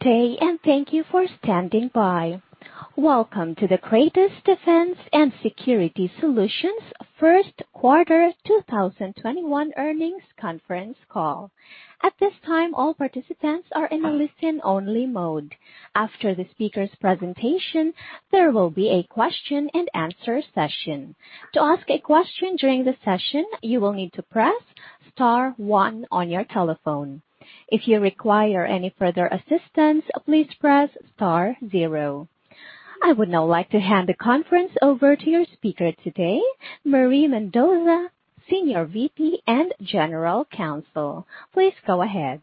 Good day. Thank you for standing by. Welcome to the Kratos Defense & Security Solutions Q1 2021 Earnings Conference Call. At this time, all participants are in a listen-only mode. After the speaker's presentation, there will be a question and answer session. To ask a question during the session you will need to press star one on your telephone, if you require any further assistance please press star zero. I would now like to hand the conference over to your speaker today, Marie Mendoza, Senior VP and General Counsel. Please go ahead.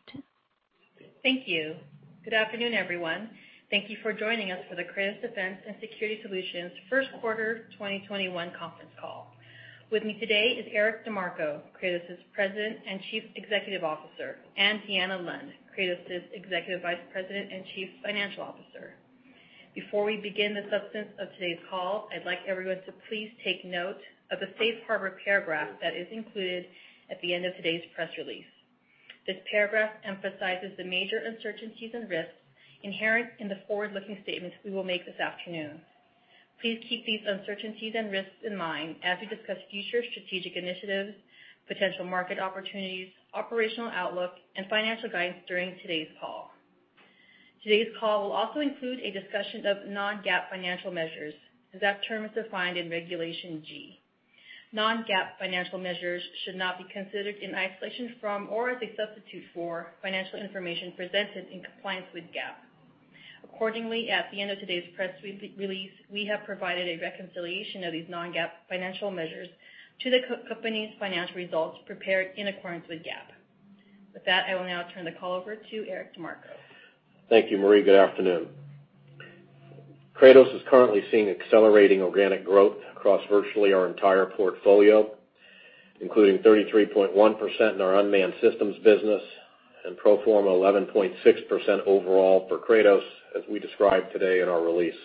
Thank you. Good afternoon, everyone. Thank you for joining us for the Kratos Defense & Security Solutions Q1 2021 Conference Call. With me today is Eric DeMarco, Kratos' President and Chief Executive Officer, and Deanna Lund, Kratos' Executive Vice President and Chief Financial Officer. Before we begin the substance of today's call, I'd like everyone to please take note of the safe harbor paragraph that is included at the end of today's press release. This paragraph emphasizes the major uncertainties and risks inherent in the forward-looking statements we will make this afternoon. Please keep these uncertainties and risks in mind as we discuss future strategic initiatives, potential market opportunities, operational outlook, and financial guidance during today's call. Today's call will also include a discussion of non-GAAP financial measures as that term is defined in Regulation G. Non-GAAP financial measures should not be considered in isolation from, or as a substitute for, financial information presented in compliance with GAAP. Accordingly, at the end of today's press release, we have provided a reconciliation of these non-GAAP financial measures to the company's financial results prepared in accordance with GAAP. With that, I will now turn the call over to Eric DeMarco. Thank you, Marie. Good afternoon. Kratos is currently seeing accelerating organic growth across virtually our entire portfolio, including 33.1% in our unmanned systems business and pro forma 11.6% overall for Kratos, as we described today in our release.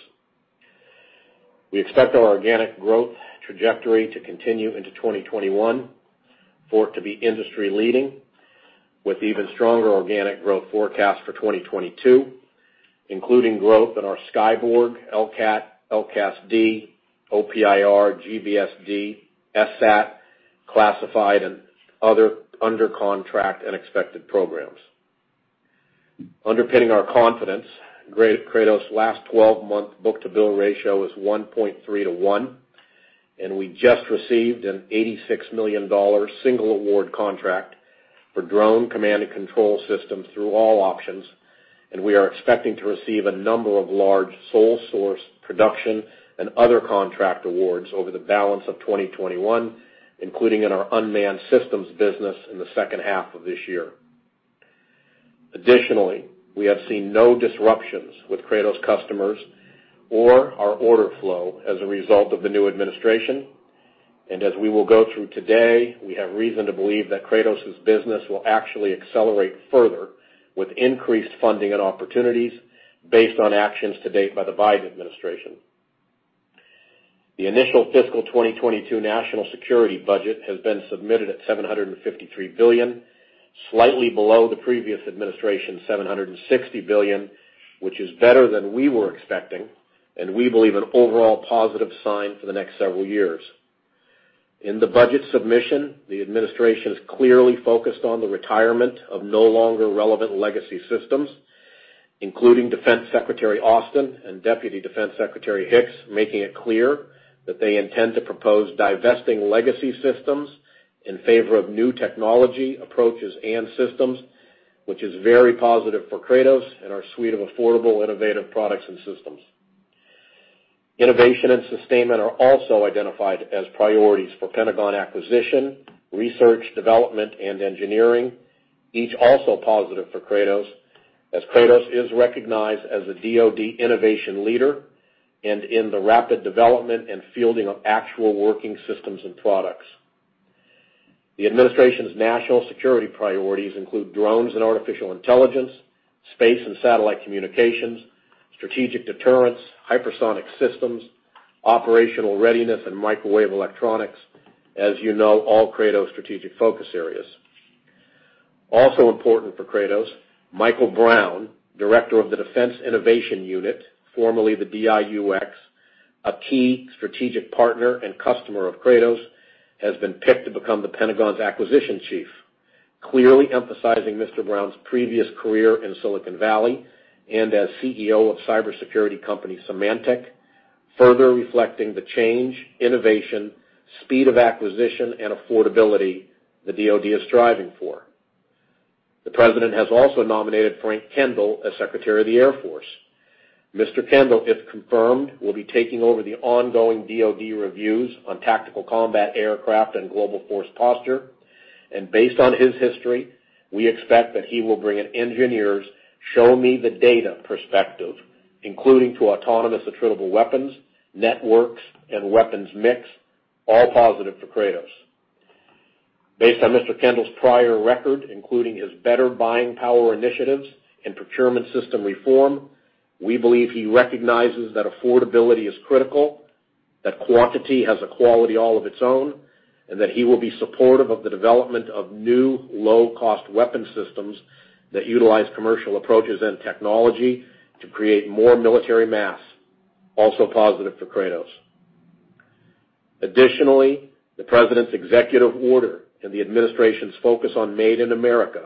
We expect our organic growth trajectory to continue into 2021, for it to be industry-leading with even stronger organic growth forecast for 2022, including growth in our Skyborg, LCAS, LCASD, OPIR, GBSD, SSAT, classified, and other under contract and expected programs. Underpinning our confidence, Kratos' last 12-month book-to-bill ratio was 1.3:1. We just received an $86 million single award contract for drone command and control systems through all options. We are expecting to receive a number of large sole source production and other contract awards over the balance of 2021, including in our unmanned systems business in the H2 of this year. Additionally, we have seen no disruptions with Kratos customers or our order flow as a result of the new administration. As we will go through today, we have reason to believe that Kratos' business will actually accelerate further with increased funding and opportunities based on actions to date by the Biden administration. The initial fiscal 2022 national security budget has been submitted at $753 billion, slightly below the previous administration's $760 billion, which is better than we were expecting, and we believe an overall positive sign for the next several years. In the budget submission, the administration is clearly focused on the retirement of no-longer-relevant legacy systems, including Defense Secretary Austin and Deputy Defense Secretary Hicks, making it clear that they intend to propose divesting legacy systems in favor of new technology approaches and systems, which is very positive for Kratos and our suite of affordable, innovative products and systems. Innovation and sustainment are also identified as priorities for Pentagon acquisition, research, development, and engineering. Each also positive for Kratos, as Kratos is recognized as a DoD innovation leader and in the rapid development and fielding of actual working systems and products. The administration's national security priorities include drones and artificial intelligence, space and satellite communications, strategic deterrence, hypersonic systems, operational readiness, and microwave electronics. As you know, all Kratos strategic focus areas. Also important for Kratos, Michael Brown, Director of the Defense Innovation Unit, formerly the DIUx, a key strategic partner and customer of Kratos, has been picked to become the Pentagon's acquisition chief. Clearly emphasizing Mr. Brown's previous career in Silicon Valley and as CEO of cybersecurity company Symantec, further reflecting the change, innovation, speed of acquisition, and affordability the DoD is striving for. The President has also nominated Frank Kendall as Secretary of the Air Force. Mr. Kendall, if confirmed, will be taking over the ongoing DoD reviews on tactical combat aircraft and global force posture. Based on his history, we expect that he will bring an engineer's show-me-the-data perspective, including to autonomous attributable weapons, networks, and weapons mix, all positive for Kratos. Based on Mr. Kendall's prior record, including his better buying power initiatives and procurement system reform, we believe he recognizes that affordability is critical. Quantity has a quality all of its own, and that he will be supportive of the development of new low-cost weapon systems that utilize commercial approaches and technology to create more military mass, also positive for Kratos. Additionally, the President's executive order and the administration's focus on Made in America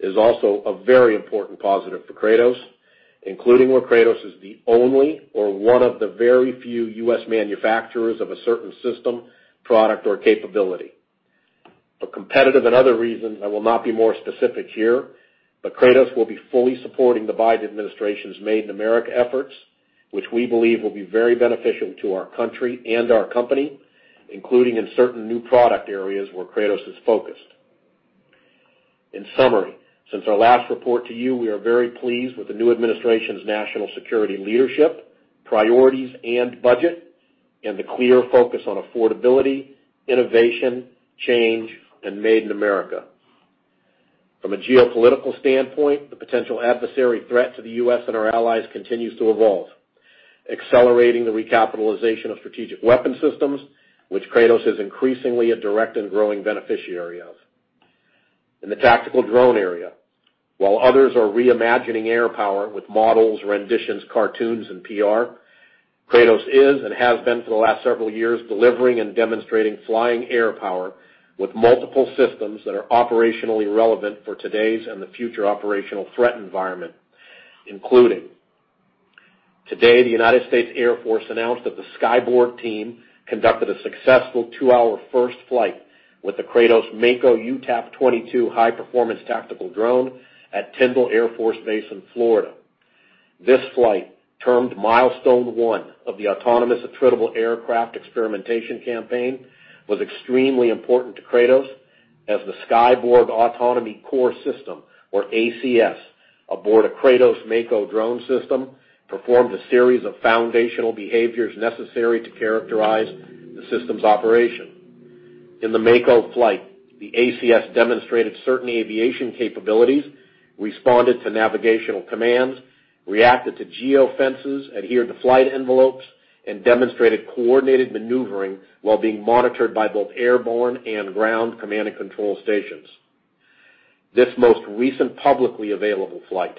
is also a very important positive for Kratos, including where Kratos is the only or one of the very few U.S. manufacturers of a certain system, product, or capability. For competitive and other reasons, I will not be more specific here, but Kratos will be fully supporting the Biden administration's Made in America efforts, which we believe will be very beneficial to our country and our company, including in certain new product areas where Kratos is focused. In summary, since our last report to you, we are very pleased with the new administration's national security leadership, priorities, and budget, and the clear focus on affordability, innovation, change, and Made in America. From a geopolitical standpoint, the potential adversary threat to the U.S. and our allies continues to evolve, accelerating the recapitalization of strategic weapon systems, which Kratos is increasingly a direct and growing beneficiary of. In the tactical drone area, while others are reimagining air power with models, renditions, cartoons, and PR, Kratos is and has been for the last several years, delivering and demonstrating flying air power with multiple systems that are operationally relevant for today's and the future operational threat environment, including. Today, the United States Air Force announced that the Skyborg team conducted a successful two-hour first flight with the Kratos Mako UTAP-22 high-performance tactical drone at Tyndall Air Force Base in Florida. This flight, termed Milestone 1 of the Autonomous Attritable Aircraft Experimentation campaign, was extremely important to Kratos as the Skyborg Autonomy Core System, or ACS, aboard a Kratos Mako drone system, performed a series of foundational behaviors necessary to characterize the system's operation. In the Mako flight, the ACS demonstrated certain aviation capabilities, responded to navigational commands, reacted to geo-fences, adhered to flight envelopes, and demonstrated coordinated maneuvering while being monitored by both airborne and ground command and control stations. This most recent publicly available flight,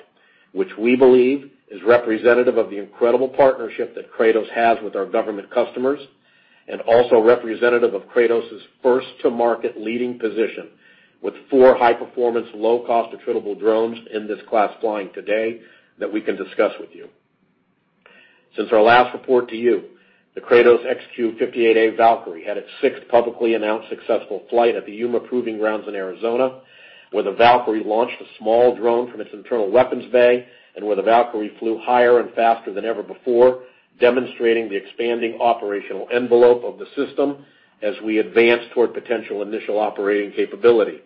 which we believe is representative of the incredible partnership that Kratos has with our government customers and also representative of Kratos' first to market leading position with four high-performance, low-cost attritable drones in this class flying today that we can discuss with you. Since our last report to you, the Kratos XQ-58A Valkyrie had its sixth publicly announced successful flight at the Yuma Proving Grounds in Arizona, where the Valkyrie launched a small drone from its internal weapons bay, and where the Valkyrie flew higher and faster than ever before, demonstrating the expanding operational envelope of the system as we advance toward potential initial operating capability.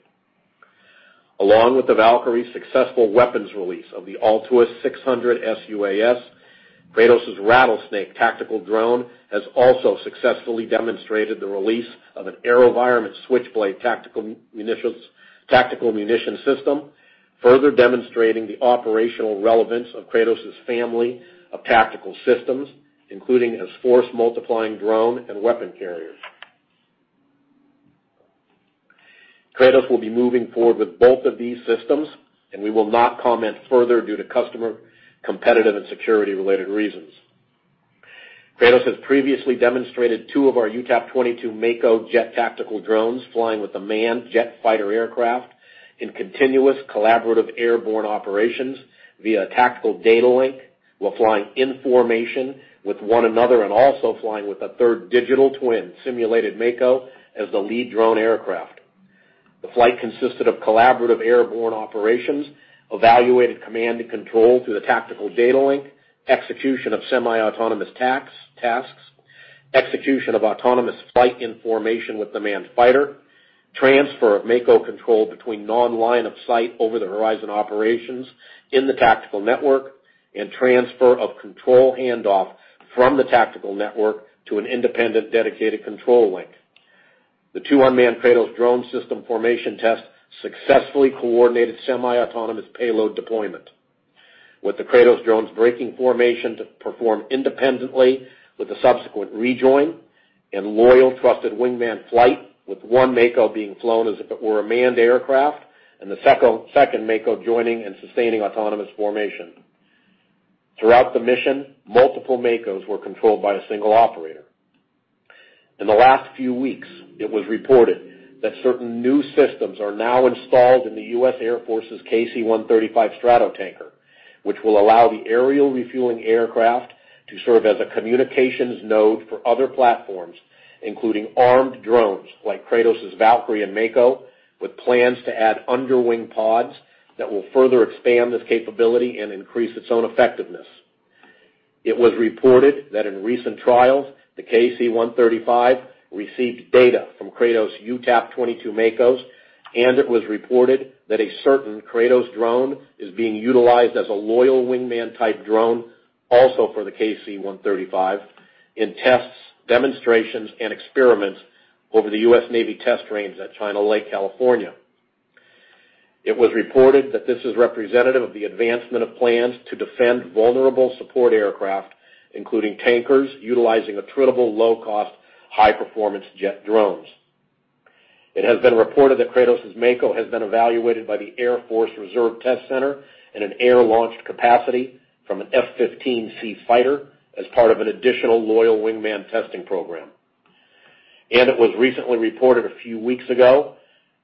Along with the Valkyrie successful weapons release of the ALTIUS-600 sUAS, Kratos' Rattlesnake tactical drone has also successfully demonstrated the release of an AeroVironment Switchblade tactical munition system, further demonstrating the operational relevance of Kratos' family of tactical systems, including as force-multiplying drone and weapon carriers. Kratos will be moving forward with both of these systems, and we will not comment further due to customer, competitive, and security-related reasons. Kratos has previously demonstrated two of our UTAP-22 Mako jet tactical drones flying with a manned jet fighter aircraft in continuous collaborative airborne operations via a tactical data link while flying in formation with one another and also flying with a third digital twin simulated Mako as the lead drone aircraft. The flight consisted of collaborative airborne operations, evaluated command and control through the tactical data link, execution of semi-autonomous tasks, execution of autonomous flight in formation with the manned fighter, transfer of Mako control between non-line-of-sight over the horizon operations in the tactical network, and transfer of control handoff from the tactical network to an independent dedicated control link. The two unmanned Kratos drone system formation test successfully coordinated semi-autonomous payload deployment. With the Kratos drones breaking formation to perform independently with a subsequent rejoin and loyal trusted wingman flight, with one Mako being flown as if it were a manned aircraft, and the second Mako joining and sustaining autonomous formation. Throughout the mission, multiple Makos were controlled by a single operator. In the last few weeks, it was reported that certain new systems are now installed in the U.S. Air Force's KC-135 Stratotanker, which will allow the aerial refueling aircraft to serve as a communications node for other platforms, including armed drones like Kratos' Valkyrie and Mako, with plans to add underwing pods that will further expand this capability and increase its own effectiveness. It was reported that in recent trials, the KC-135 received data from Kratos' UTAP-22 Makos, and it was reported that a certain Kratos drone is being utilized as a loyal wingman-type drone also for the KC-135 in tests, demonstrations, and experiments over the U.S. Navy test range at China Lake, California. It was reported that this is representative of the advancement of plans to defend vulnerable support aircraft, including tankers, utilizing attritable low-cost, high-performance jet drones. It has been reported that Kratos' Mako has been evaluated by the Air Force Reserve Test Center in an air-launched capacity from an F-15C fighter as part of an additional loyal wingman testing program. It was recently reported a few weeks ago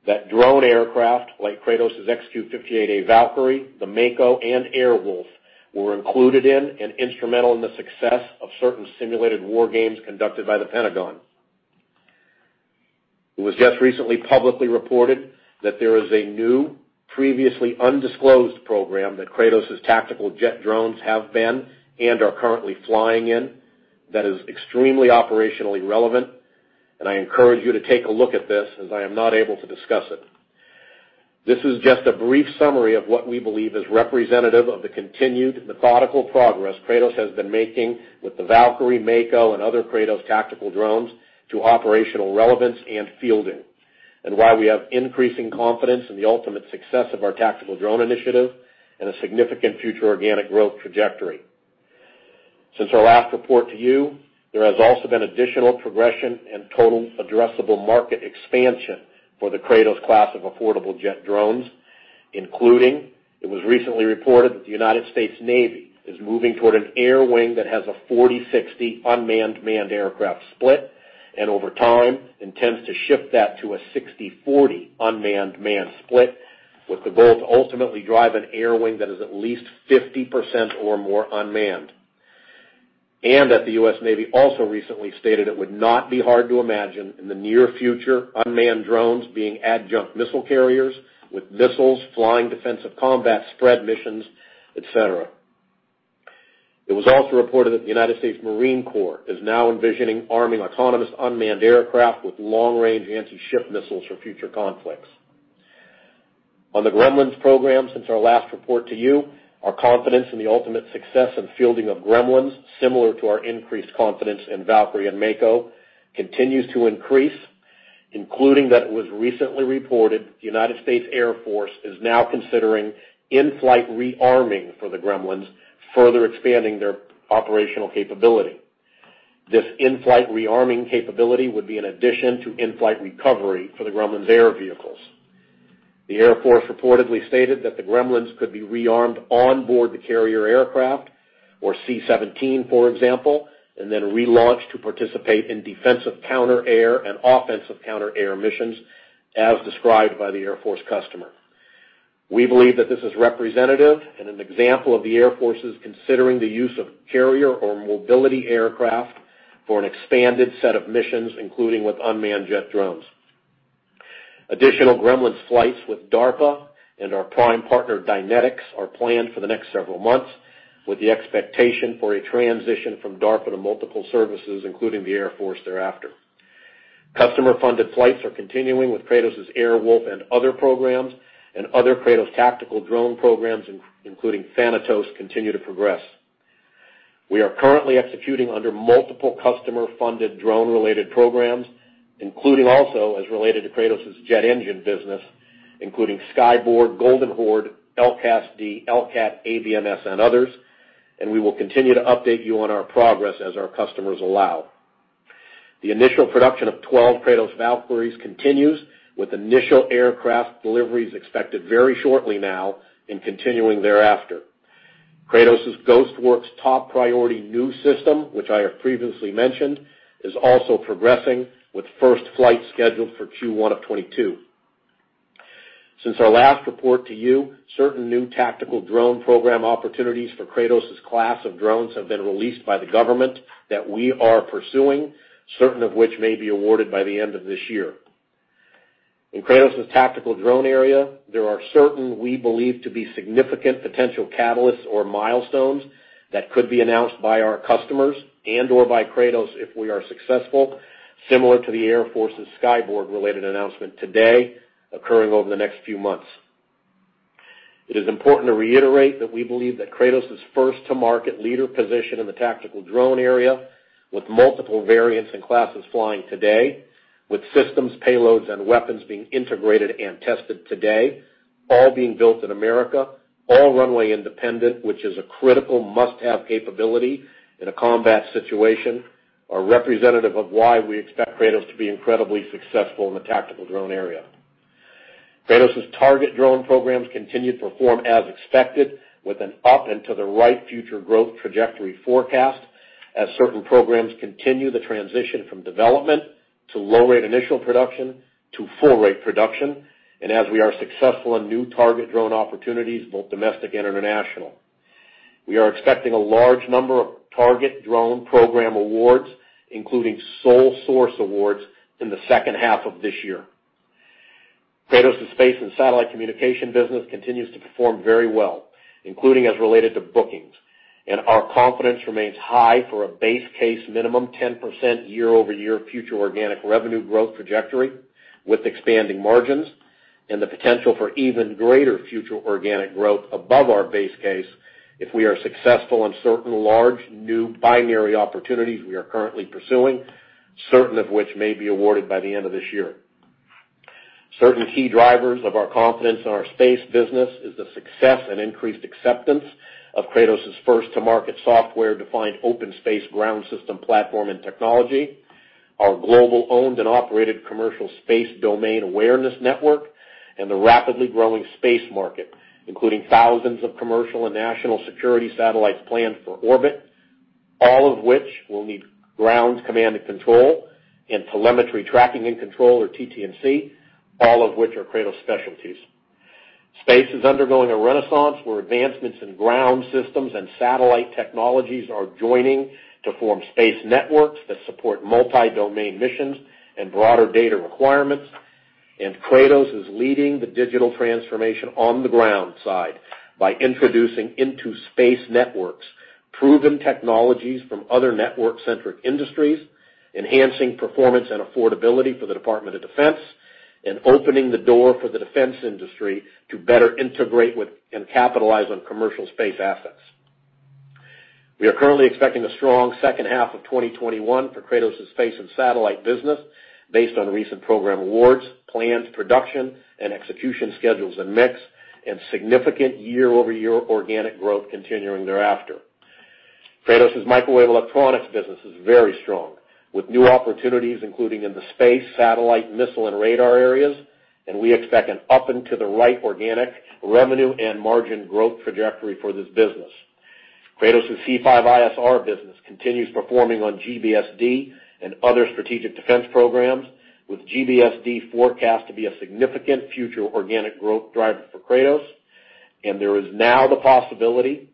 that drone aircraft like Kratos' XQ-58A Valkyrie, the Mako, and Air Wolf were included in and instrumental in the success of certain simulated war games conducted by the Pentagon. It was just recently publicly reported that there is a new, previously undisclosed program that Kratos' tactical jet drones have been and are currently flying in that is extremely operationally relevant, and I encourage you to take a look at this as I am not able to discuss it. This is just a brief summary of what we believe is representative of the continued methodical progress Kratos has been making with the Valkyrie, Mako, and other Kratos tactical drones to operational relevance and fielding, and why we have increasing confidence in the ultimate success of our tactical drone initiative and a significant future organic growth trajectory. Since our last report to you, there has also been additional progression and total addressable market expansion for the Kratos class of affordable jet drones, including it was recently reported that the United States Navy is moving toward an air wing that has a 40/60 unmanned/manned aircraft split, and over time intends to shift that to a 60/40 unmanned/manned split, with the goal to ultimately drive an air wing that is at least 50% or more unmanned. That the United States Navy also recently stated it would not be hard to imagine in the near future unmanned drones being adjunct missile carriers with missiles flying defensive combat spread missions, et cetera. It was also reported that the United States Marine Corps is now envisioning arming autonomous unmanned aircraft with long-range anti-ship missiles for future conflicts. On the Gremlins program, since our last report to you, our confidence in the ultimate success and fielding of Gremlins, similar to our increased confidence in Valkyrie and Mako, continues to increase, including that it was recently reported the United States Air Force is now considering in-flight rearming for the Gremlins, further expanding their operational capability. This in-flight rearming capability would be an addition to in-flight recovery for the Gremlins air vehicles. The Air Force reportedly stated that the Gremlins could be rearmed on board the carrier aircraft or C-17, for example, and then relaunched to participate in defensive counterair and offensive counterair missions as described by the Air Force customer. We believe that this is representative and an example of the Air Force considering the use of carrier or mobility aircraft for an expanded set of missions, including with unmanned jet drones. Additional Gremlins flights with DARPA and our prime partner, Dynetics, are planned for the next several months, with the expectation for a transition from DARPA to multiple services, including the Air Force thereafter. Customer-funded flights are continuing with Kratos' Air Wolf and other programs, and other Kratos tactical drone programs, including Thanatos, continue to progress. We are currently executing under multiple customer-funded drone-related programs, including also as related to Kratos' jet engine business, including Skyborg, Golden Horde, LCASD, LCAAT, ABMS, and others, and we will continue to update you on our progress as our customers allow. The initial production of 12 Kratos Valkyries continues, with initial aircraft deliveries expected very shortly now and continuing thereafter. Kratos' Ghostworks top priority new system, which I have previously mentioned, is also progressing with first flight scheduled for Q1 of 2022. Since our last report to you, certain new tactical drone program opportunities for Kratos' class of drones have been released by the government that we are pursuing, certain of which may be awarded by the end of this year. In Kratos' tactical drone area, there are certain we believe to be significant potential catalysts or milestones that could be announced by our customers and/or by Kratos if we are successful, similar to the Air Force's Skyborg-related announcement today, occurring over the next few months. It is important to reiterate that we believe that Kratos' first to market leader position in the tactical drone area with multiple variants and classes flying today, with systems, payloads, and weapons being integrated and tested today, all being built in America, all runway independent, which is a critical must-have capability in a combat situation, are representative of why we expect Kratos to be incredibly successful in the tactical drone area. Kratos' target drone programs continue to perform as expected with an up and to the right future growth trajectory forecast as certain programs continue the transition from development to low-rate initial production to full-rate production and as we are successful in new target drone opportunities, both domestic and international. We are expecting a large number of target drone program awards, including sole source awards, in the H2 of this year. Kratos' space and satellite communication business continues to perform very well, including as related to bookings. Our confidence remains high for a base case minimum 10% YoY future organic revenue growth trajectory with expanding margins and the potential for even greater future organic growth above our base case if we are successful in certain large new binary opportunities we are currently pursuing, certain of which may be awarded by the end of this year. Certain key drivers of our confidence in our space business is the success and increased acceptance of Kratos' first-to-market software-defined OpenSpace ground system platform and technology, our global owned and operated commercial space domain awareness network, and the rapidly growing space market, including thousands of commercial and national security satellites planned for orbit. All of which will need ground command and control, and telemetry tracking and control, or TT&C, all of which are Kratos specialties. Space is undergoing a renaissance where advancements in ground systems and satellite technologies are joining to form space networks that support multi-domain missions and broader data requirements. Kratos is leading the digital transformation on the ground side by introducing into space networks proven technologies from other network-centric industries, enhancing performance and affordability for the Department of Defense, and opening the door for the defense industry to better integrate with and capitalize on commercial space assets. We are currently expecting a strong H2 of 2021 for Kratos' space and satellite business based on recent program awards, planned production, and execution schedules and mix, and significant YoY organic growth continuing thereafter. Kratos' microwave electronics business is very strong, with new opportunities including in the space, satellite, missile, and radar areas, and we expect an up-and-to-the-right organic revenue and margin growth trajectory for this business. Kratos' C5ISR business continues performing on GBSD and other strategic defense programs, with GBSD forecast to be a significant future organic growth driver for Kratos. There is now the possibility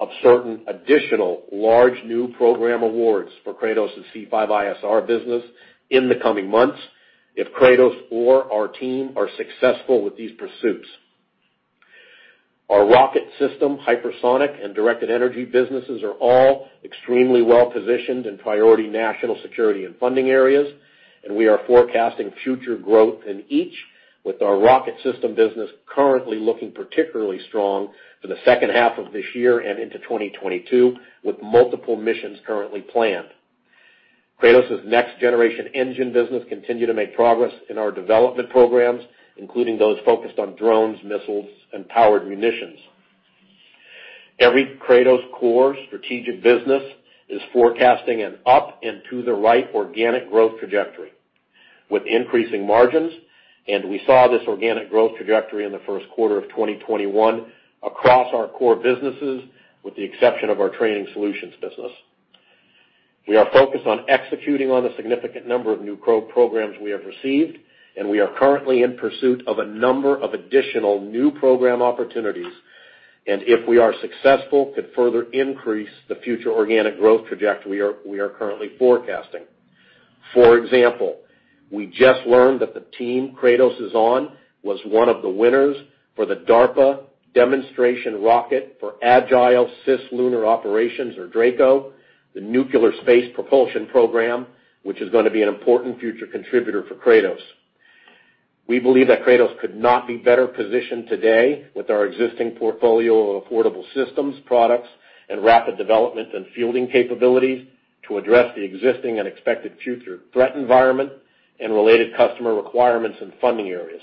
of certain additional large new program awards for Kratos' C5ISR business in the coming months if Kratos or our team are successful with these pursuits. Our rocket system, hypersonic, and directed energy businesses are all extremely well-positioned in priority national security and funding areas. We are forecasting future growth in each, with our rocket system business currently looking particularly strong for the H2 of this year and into 2022, with multiple missions currently planned. Kratos' next-generation engine business continue to make progress in our development programs, including those focused on drones, missiles, and powered munitions. Every Kratos core strategic business is forecasting an up-and-to-the-right organic growth trajectory with increasing margins. We saw this organic growth trajectory in the Q1 of 2021 across our core businesses, with the exception of our training solutions business. We are focused on executing on a significant number of new programs we have received, and we are currently in pursuit of a number of additional new program opportunities, if we are successful, could further increase the future organic growth trajectory we are currently forecasting. For example, we just learned that the team Kratos is on was one of the winners for the DARPA Demonstration Rocket for Agile Cislunar Operations, or DRACO, the nuclear space propulsion program, which is going to be an important future contributor for Kratos. We believe that Kratos could not be better positioned today with our existing portfolio of affordable systems, products, and rapid development and fielding capabilities to address the existing and expected future threat environment and related customer requirements and funding areas.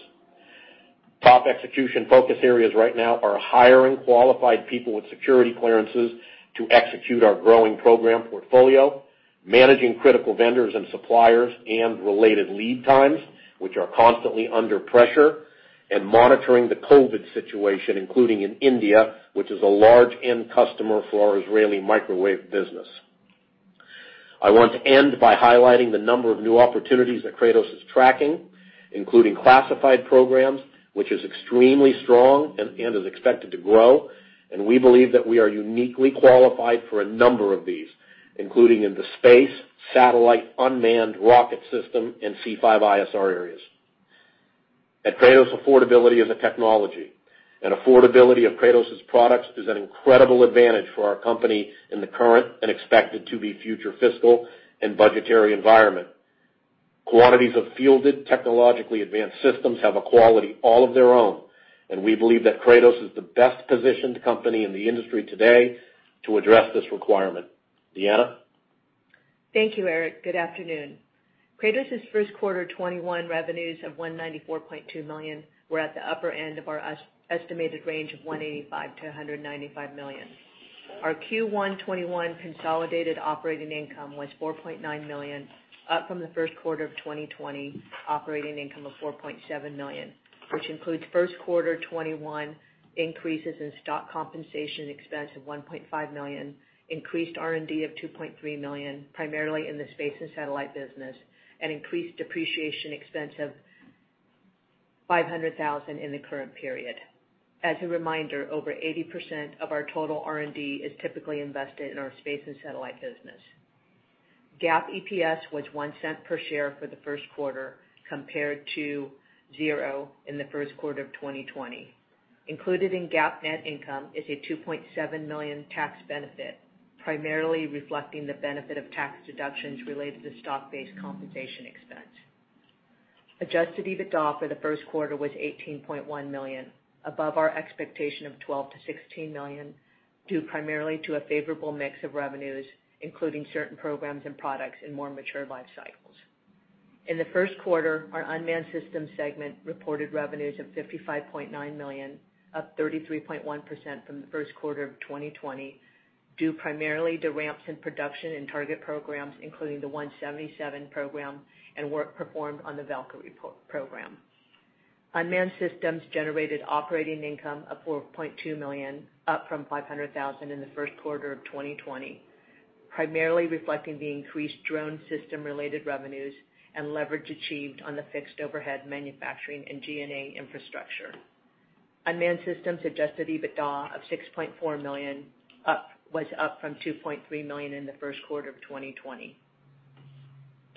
Top execution focus areas right now are hiring qualified people with security clearances to execute our growing program portfolio, managing critical vendors and suppliers and related lead times, which are constantly under pressure, and monitoring the COVID situation, including in India, which is a large end customer for our Israeli microwave business. I want to end by highlighting the number of new opportunities that Kratos is tracking, including classified programs, which is extremely strong and is expected to grow. We believe that we are uniquely qualified for a number of these, including in the space, satellite, unmanned rocket system, and C5ISR areas. At Kratos, affordability is a technology, and affordability of Kratos' products is an incredible advantage for our company in the current and expected to be future fiscal and budgetary environment. Quantities of fielded technologically advanced systems have a quality all of their own, and we believe that Kratos is the best-positioned company in the industry today to address this requirement. Deanna? Thank you, Eric. Good afternoon. Kratos' Q1 2021 revenues of $194.2 million were at the upper end of our estimated range of $185 million-$195 million. Our Q1 2021 consolidated operating income was $4.9 million, up from the Q1 of 2020 operating income of $4.7 million, which includes Q1 2021 increases in stock compensation expense of $1.5 million, increased R&D of $2.3 million, primarily in the space and satellite business, and increased depreciation expense of $500,000 in the current period. As a reminder, over 80% of our total R&D is typically invested in our space and satellite business. GAAP EPS was $0.01 per share for the Q1, compared to $0.00 in the Q1 of 2020. Included in GAAP net income is a $2.7 million tax benefit, primarily reflecting the benefit of tax deductions related to stock-based compensation expense. Adjusted EBITDA for the Q1 was $18.1 million, above our expectation of $12 million-$16 million, due primarily to a favorable mix of revenues, including certain programs and products in more mature life cycles. In the Q1, our unmanned systems segment reported revenues of $55.9 million, up 33.1% from the Q1 of 2020, due primarily to ramps in production and target programs, including the 177 program and work performed on the Valkyrie program. Unmanned systems generated operating income of $4.2 million, up from $500,000 in the Q1 of 2020, primarily reflecting the increased drone system-related revenues and leverage achieved on the fixed overhead manufacturing and G&A infrastructure. Unmanned systems adjusted EBITDA of $6.4 million was up from $2.3 million in the Q1 of 2020.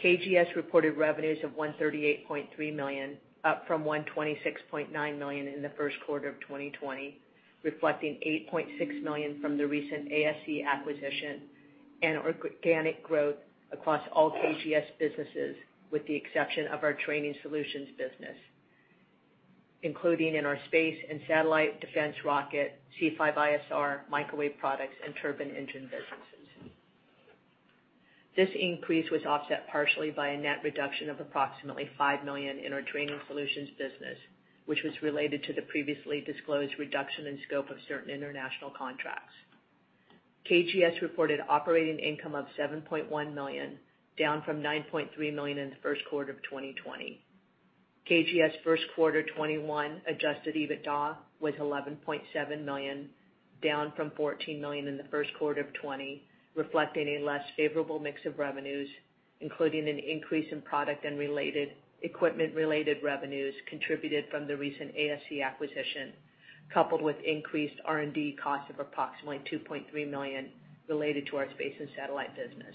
KGS reported revenues of $138.3 million, up from $126.9 million in the Q1 of 2020, reflecting $8.6 million from the recent ASC acquisition and organic growth across all KGS businesses, with the exception of our training solutions business, including in our space and satellite, defense rocket, C5ISR, microwave products, and turbine engine businesses. This increase was offset partially by a net reduction of approximately $5 million in our training solutions business, which was related to the previously disclosed reduction in scope of certain international contracts. KGS reported operating income of $7.1 million, down from $9.3 million in the Q1 of 2020. KGS Q1 2021 adjusted EBITDA was $11.7 million, down from $14 million in the Q1 of 2020, reflecting a less favorable mix of revenues, including an increase in product and equipment-related revenues contributed from the recent ASC acquisition, coupled with increased R&D costs of approximately $2.3 million related to our space and satellite business.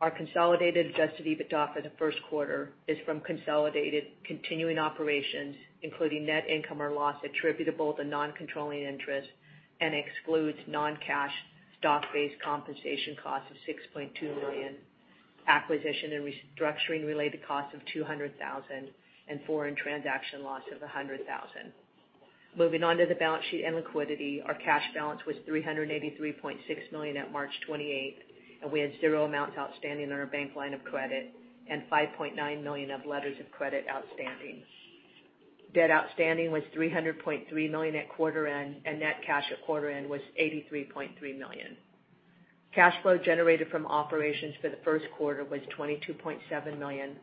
Our consolidated adjusted EBITDA for the Q1 is from consolidated continuing operations, including net income or loss attributable to non-controlling interest and excludes non-cash stock-based compensation costs of $6.2 million, acquisition and restructuring-related costs of $200,000, and foreign transaction loss of $100,000. Moving on to the balance sheet and liquidity. Our cash balance was $383.6 million at March 28th, and we had zero amounts outstanding on our bank line of credit and $5.9 million of letters of credit outstanding. Debt outstanding was $300.3 million at quarter end, and net cash at quarter end was $83.3 million. Cash flow generated from operations for the Q1 was $22.7 million,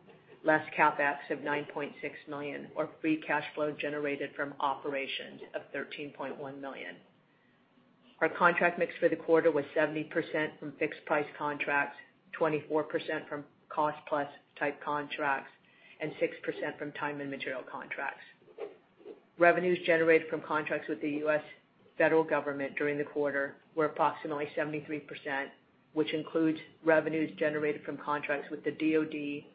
less CapEx of $9.6 million, or free cash flow generated from operations of $13.1 million. Our contract mix for the quarter was 70% from fixed price contracts, 24% from cost-plus type contracts, and 6% from time and material contracts. Revenues generated from contracts with the U.S. federal government during the quarter were approximately 73%, which includes revenues generated from contracts with the DoD,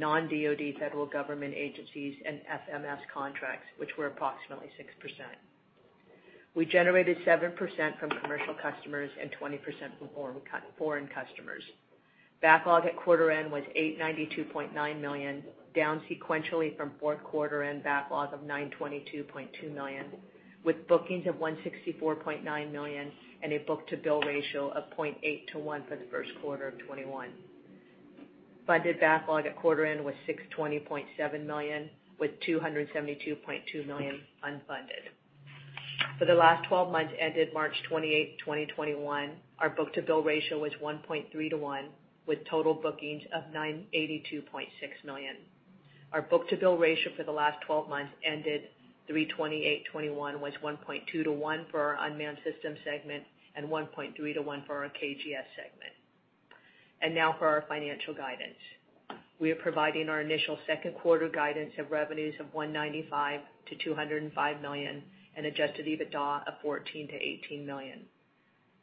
non-DoD federal government agencies, and FMS contracts, which were approximately 6%. We generated 7% from commercial customers and 20% from foreign customers. Backlog at quarter end was $892.9 million, down sequentially from fourth quarter end backlog of $922.2 million, with bookings of $164.9 million and a book-to-bill ratio of 0.8:1 for the Q1 of 2021. Funded backlog at quarter end was $620.7 million, with $272 million unfunded. For the last 12 month ended in March 28th, 2021, our book-to-bill ratio 1.3:1 with total bookings of $982.6 million. Our book-to-bill ratio for the last 12 months ended 3/28/2021 was 1.2:1 for our unmanned systems segment and 1.3:1 for our KGS segment. Now for our financial guidance. We are providing our initial second quarter guidance of revenues of $195 million-$205 million and adjusted EBITDA of $14 million-$18 million.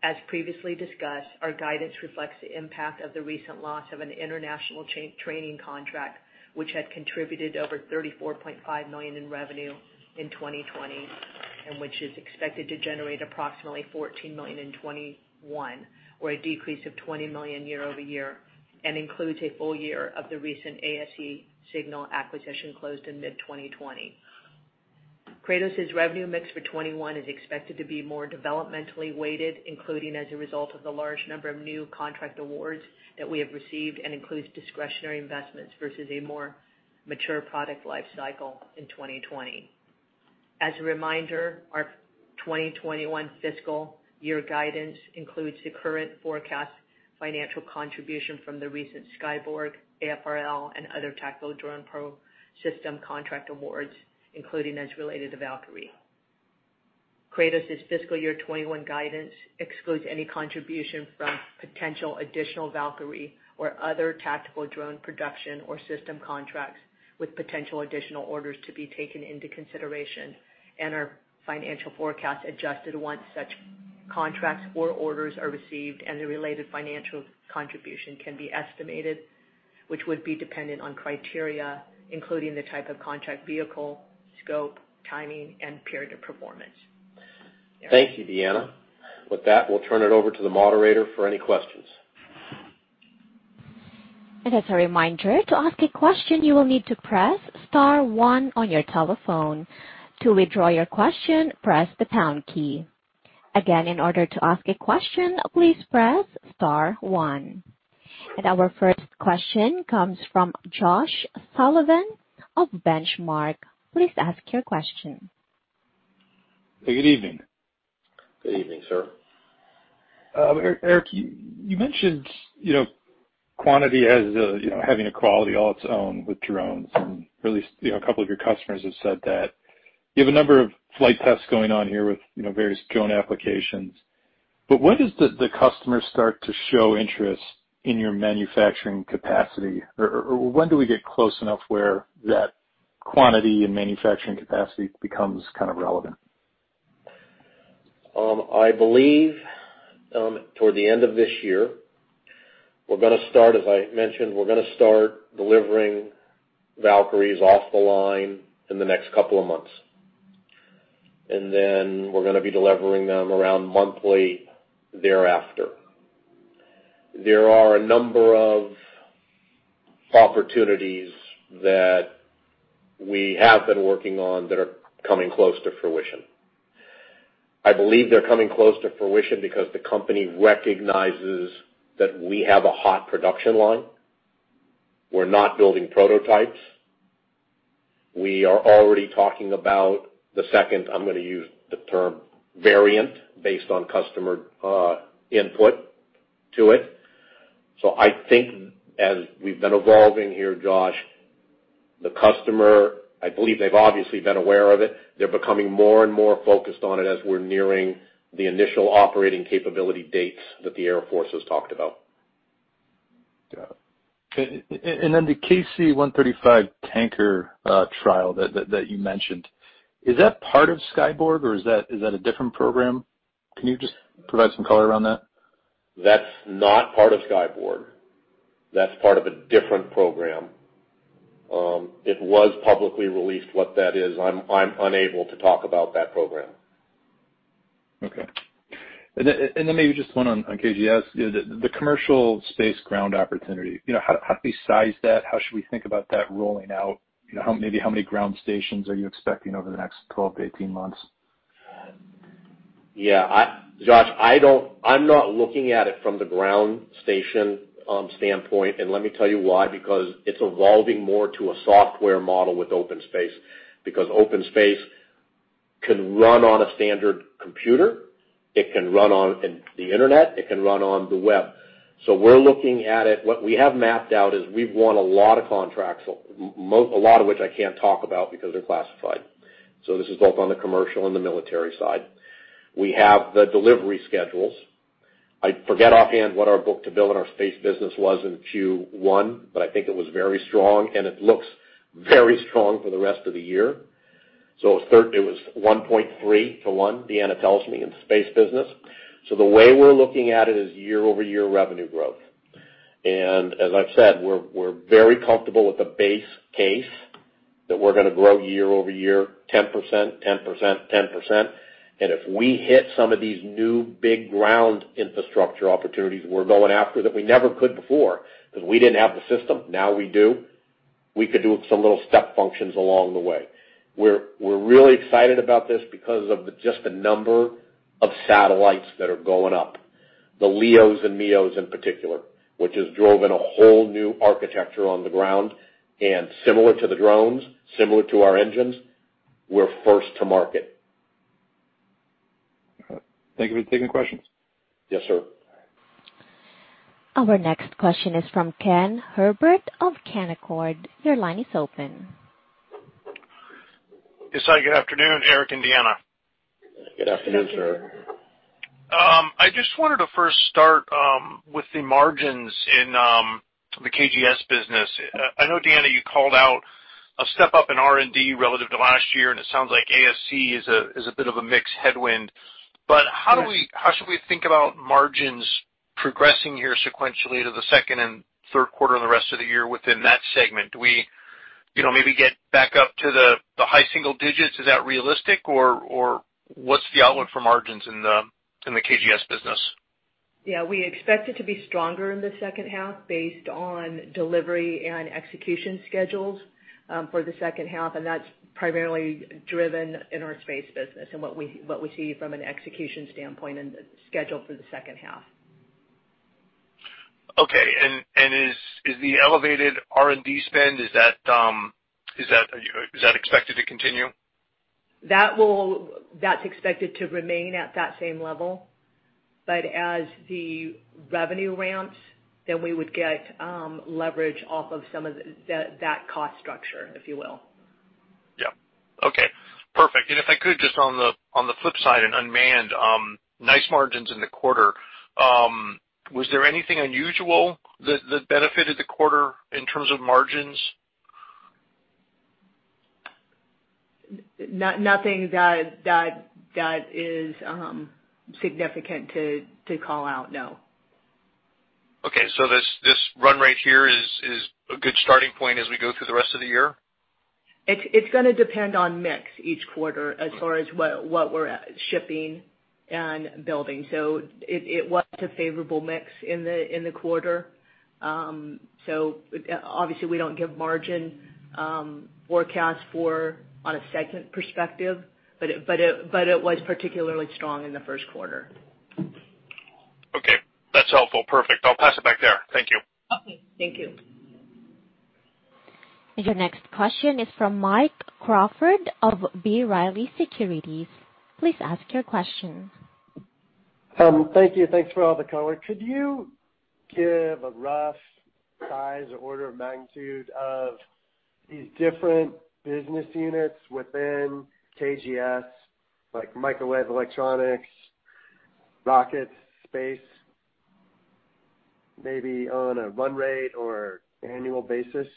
As previously discussed, our guidance reflects the impact of the recent loss of an international training contract, which had contributed over $34.5 million in revenue in 2020 and which is expected to generate approximately $14 million in 2021, or a decrease of $20 million YoY and includes a full year of the recent ASC Signal acquisition closed in mid-2020. Kratos's revenue mix for 2021 is expected to be more developmentally weighted, including as a result of the large number of new contract awards that we have received and includes discretionary investments versus a more mature product life cycle in 2020. As a reminder, our 2021 fiscal year guidance includes the current forecast financial contribution from the recent Skyborg, AFRL, and other tactical drone system contract awards, including as related to Valkyrie. Kratos' FY 2021 guidance excludes any contribution from potential additional Valkyrie or other tactical drone production or system contracts with potential additional orders to be taken into consideration and our financial forecast adjusted once such contracts or orders are received and the related financial contribution can be estimated, which would be dependent on criteria including the type of contract vehicle, scope, timing, and period of performance. Thank you, Deanna. With that, we'll turn it over to the moderator for any questions. As a reminder, to ask a question, you will need to press star one on your telephone. To withdraw your question, press the pound key. Again, in order to ask a question, please press star one. Our first question comes from Josh Sullivan of Benchmark. Please ask your question. Good evening. Good evening, sir. Eric, you mentioned quantity as having a quality all its own with drones, and at least a couple of your customers have said that. You have a number of flight tests going on here with various drone applications. When does the customer start to show interest in your manufacturing capacity, or when do we get close enough where that quantity and manufacturing capacity becomes kind of relevant? I believe toward the end of this year. As I mentioned, we're going to start delivering Valkyries off the line in the next couple of months. Then we're going to be delivering them around monthly thereafter. There are a number of opportunities that we have been working on that are coming close to fruition. I believe they're coming close to fruition because the company recognizes that we have a hot production line. We're not building prototypes. We are already talking about the second, I'm going to use the term variant, based on customer input to it. I think as we've been evolving here, Josh, the customer, I believe they've obviously been aware of it. They're becoming more and more focused on it as we're nearing the initial operating capability dates that the Air Force has talked about. Got it. The KC-135 tanker trial that you mentioned, is that part of Skyborg, or is that a different program? Can you just provide some color around that? That's not part of Skyborg. That's part of a different program. It was publicly released. What that is, I'm unable to talk about that program. Okay. Maybe just one on KGS. The commercial space ground opportunity. How do we size that? How should we think about that rolling out? Maybe how many ground stations are you expecting over the next 12-18 months? Yeah. Josh, I'm not looking at it from the ground station standpoint. Let me tell you why, because it's evolving more to a software model with OpenSpace. OpenSpace can run on a standard computer. It can run on the internet. It can run on the web. We're looking at it. What we have mapped out is we've won a lot of contracts, a lot of which I can't talk about because they're classified. This is both on the commercial and the military side. We have the delivery schedules. I forget offhand what our book-to-bill in our space business was in Q1. I think it was very strong. It looks very strong for the rest of the year. It was 1.3:1, Deanna tells me, in the space business. The way we're looking at it is YoY revenue growth. As I've said, we're very comfortable with the base case that we're going to grow YoY 10%, 10%, 10%. If we hit some of these new big ground infrastructure opportunities we're going after that we never could before because we didn't have the system, now we do. We could do some little step functions along the way. We're really excited about this because of just the number of satellites that are going up. The LEOs and MEOs in particular, which has drove in a whole new architecture on the ground. Similar to the drones, similar to our engines, we're first to market. All right. Thank you for taking the questions. Yes, sir. Our next question is from Ken Herbert of Canaccord. Your line is open. Yes. Hi, good afternoon, Eric and Deanna. Good afternoon, sir. Good afternoon. I just wanted to first start with the margins in the KGS business. I know, Deanna, you called out a step-up in R&D relative to last year, and it sounds like ASC is a bit of a mixed headwind. How should we think about margins progressing here sequentially to the second and third quarter and the rest of the year within that segment? Do we maybe get back up to the high single digits? Is that realistic, or what's the outlook for margins in the KGS business? We expect it to be stronger in the H2 based on delivery and execution schedules for the H2, and that's primarily driven in our space business and what we see from an execution standpoint and the schedule for the H2. Okay. Is the elevated R&D spend expected to continue? That's expected to remain at that same level. As the revenue ramps, then we would get leverage off of some of that cost structure, if you will. Yeah. Okay, perfect. If I could, just on the flip side in unmanned, nice margins in the quarter. Was there anything unusual that benefited the quarter in terms of margins? Nothing that is significant to call out, no. Okay, this run rate here is a good starting point as we go through the rest of the year? It's going to depend on mix each quarter as far as what we're shipping and building. It was a favorable mix in the quarter. Obviously we don't give margin forecasts on a segment perspective, but it was particularly strong in the Q1. Okay, that's helpful. Perfect. I'll pass it back there. Thank you. Okay, thank you. Your next question is from Michael Crawford of B. Riley Securities. Please ask your question. Thank you. Thanks for all the color. Could you give a rough size or order of magnitude of these different business units within KGS, like microwave, electronics, rockets, space, maybe on a run rate or annual basis?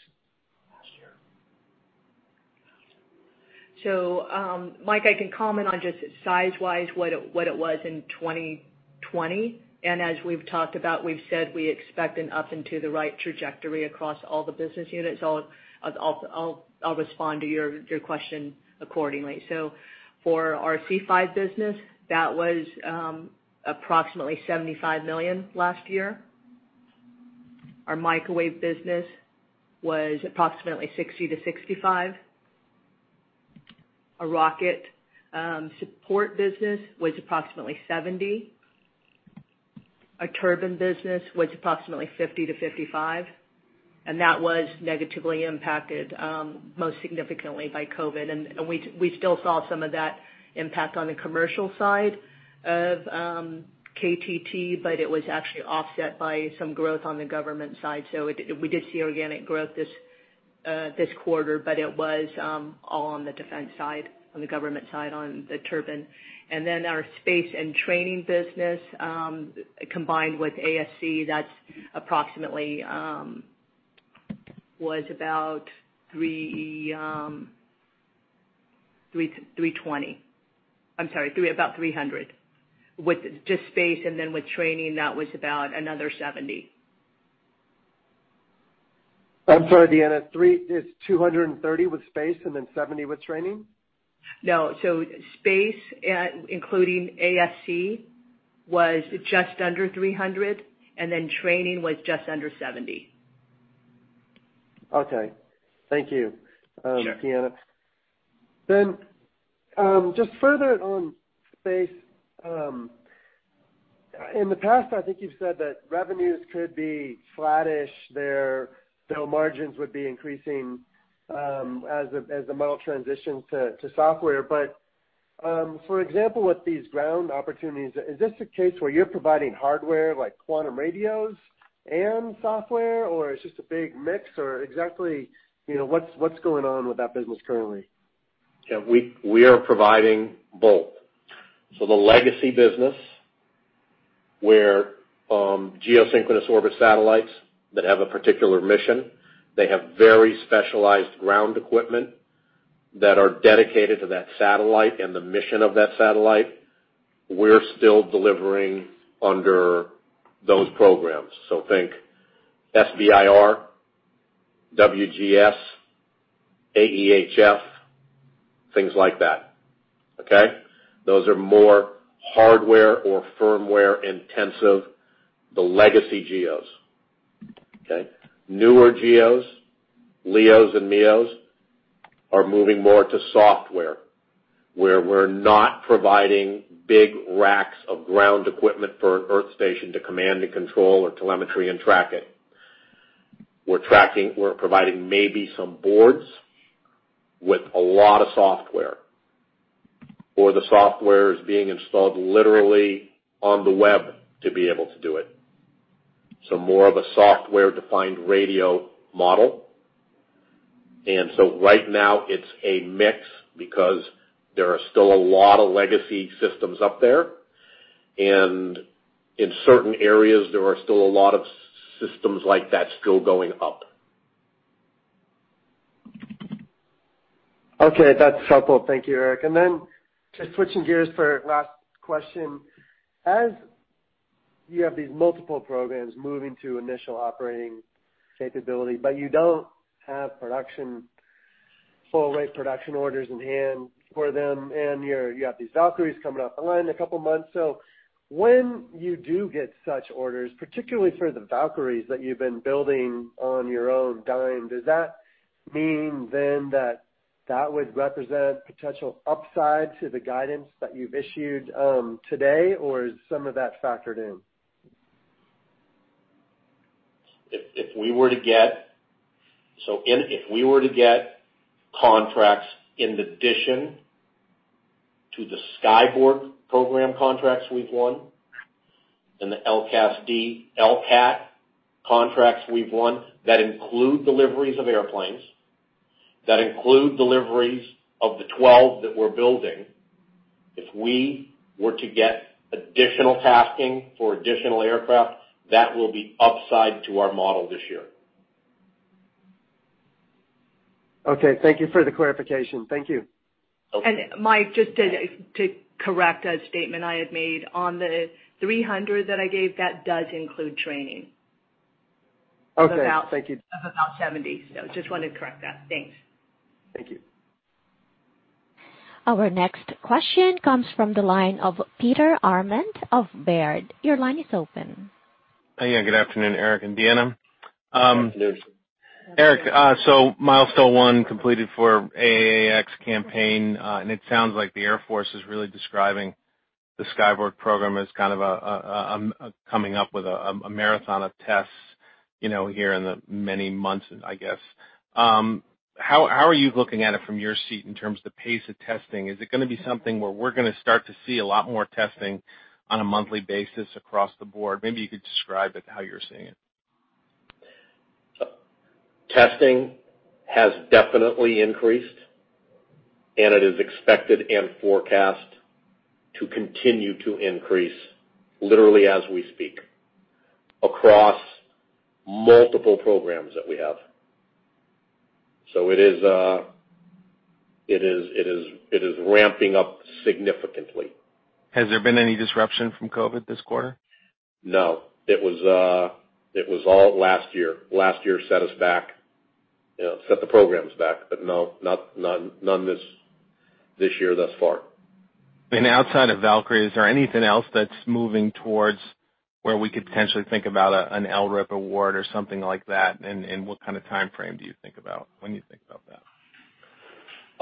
Mike, I can comment on just size-wise, what it was in 2020. As we've talked about, we've said we expect an up and to the right trajectory across all the business units. I'll respond to your question accordingly. For our C5 business, that was approximately $75 million last year. Our microwave business was approximately $60-$65. Our rocket support business was approximately $70. Our turbine business was approximately $50-$55, and that was negatively impacted, most significantly by COVID. We still saw some of that impact on the commercial side of KTT, but it was actually offset by some growth on the government side. We did see organic growth this quarter, but it was all on the defense side, on the government side, on the turbine. Our space and training business, combined with ASC, that approximately was about $320 million. I'm sorry, about $300 with just space, and then with training, that was about another $70. I'm sorry, Deanna, it's $230 with Space and then $70 with training? Space, including ASC, was just under $300. Training was just under $70. Okay. Thank you, Deanna. Sure. Just further on space. In the past, I think you've said that revenues could be flattish there, though margins would be increasing as the model transitions to software. For example, with these ground opportunities, is this a case where you're providing hardware, like quantum radios and software, or it's just a big mix or exactly, what's going on with that business currently? Yeah, we are providing both. The legacy business, where geosynchronous orbit satellites that have a particular mission, they have very specialized ground equipment that are dedicated to that satellite and the mission of that satellite. We're still delivering under those programs. Think SBIRS, WGS, AEHF, things like that. Okay. Those are more hardware or firmware intensive, the legacy GEOIs. Okay. Newer GEOs, LEOs and MEOs, are moving more to software, where we're not providing big racks of ground equipment for an earth station to command and control or telemetry and tracking. We're providing maybe some boards with a lot of software, or the software is being installed literally on the web to be able to do it. More of a software-defined radio model. Right now it's a mix because there are still a lot of legacy systems up there, and in certain areas, there are still a lot of systems like that still going up. Okay. That's helpful. Thank you, Eric. Just switching gears for last question. As you have these multiple programs moving to initial operating capability, but you don't have full rate production orders in hand for them, and you got these Valkyries coming off the line in a couple of months. When you do get such orders, particularly for the Valkyries that you've been building on your own dime, does that mean then that that would represent potential upside to the guidance that you've issued today, or is some of that factored in? If we were to get contracts in addition to the Skyborg program contracts we've won and the LCASD, LCAAT contracts we've won, that include deliveries of airplanes, that include deliveries of the 12 that we're building. If we were to get additional tasking for additional aircraft, that will be upside to our model this year. Okay. Thank you for the clarification. Thank you. Mike, just to correct a statement I had made. On the $300 that I gave, that does include training. Okay. Thank you. Of about $70. Just wanted to correct that. Thanks. Thank you. Our next question comes from the line of Peter Arment of Baird. Good afternoon, Eric and Deanna. Good afternoon. Eric, milestone one completed for AAAx campaign, and it sounds like the Air Force is really describing the Skyborg program as kind of coming up with a marathon of tests here in the many months, I guess. How are you looking at it from your seat in terms of the pace of testing? Is it going to be something where we are going to start to see a lot more testing on a monthly basis across the board? Maybe you could describe how you're seeing it. Testing has definitely increased, and it is expected and forecast to continue to increase literally as we speak, across multiple programs that we have. It is ramping up significantly. Has there been any disruption from COVID this quarter? No. It was all last year. Last year set us back, set the programs back, no. None this year thus far. Outside of Valkyrie, is there anything else that's moving towards where we could potentially think about an LRIP award or something like that? What kind of timeframe do you think about when you think about that?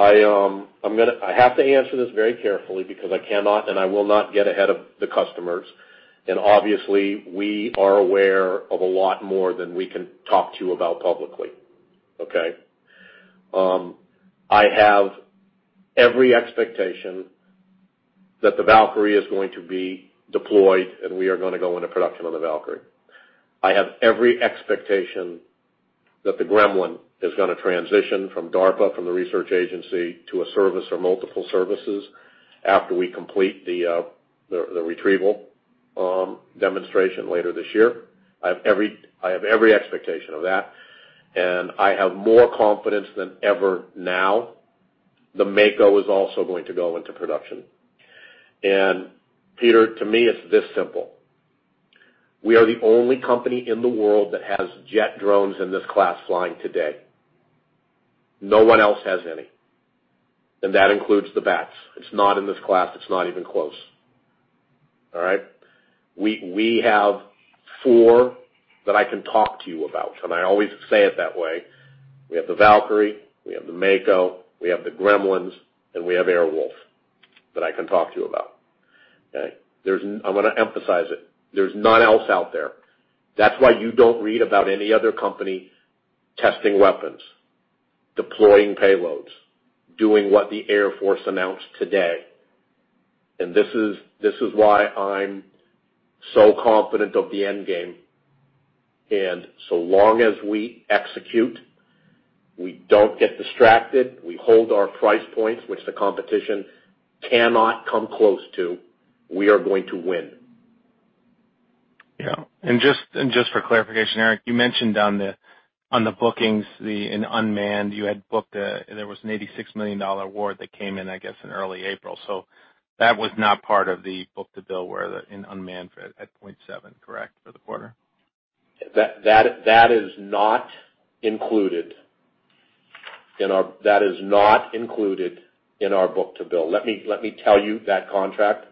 I have to answer this very carefully because I cannot and I will not get ahead of the customers, and obviously, we are aware of a lot more than we can talk to you about publicly. Okay? I have every expectation that the Valkyrie is going to be deployed, and we are gonna go into production on the Valkyrie. I have every expectation that the Gremlins is gonna transition from DARPA, from the research agency, to a service or multiple services after we complete the retrieval demonstration later this year. I have every expectation of that, and I have more confidence than ever now. The Mako is also going to go into production. Peter, to me, it's this simple. We are the only company in the world that has jet drones in this class flying today. No one else has any, and that includes the BATS. It's not in this class. It's not even close. All right? We have four that I can talk to you about, and I always say it that way. We have the Valkyrie, we have the Mako, we have the Gremlins, and we have Air Wolf that I can talk to you about. Okay? I'm gonna emphasize it. There's none else out there. That's why you don't read about any other company testing weapons, deploying payloads, doing what the Air Force announced today. This is why I'm so confident of the end game. So long as we execute, we don't get distracted, we hold our price points, which the competition cannot come close to, we are going to win. Yeah. Just for clarification, Eric, you mentioned on the bookings in unmanned, there was an $86 million award that came in, I guess, in early April. That was not part of the book-to-bill in unmanned at 0.7. Correct? For the quarter. That is not included in our book-to-bill. Let me tell you, that contract,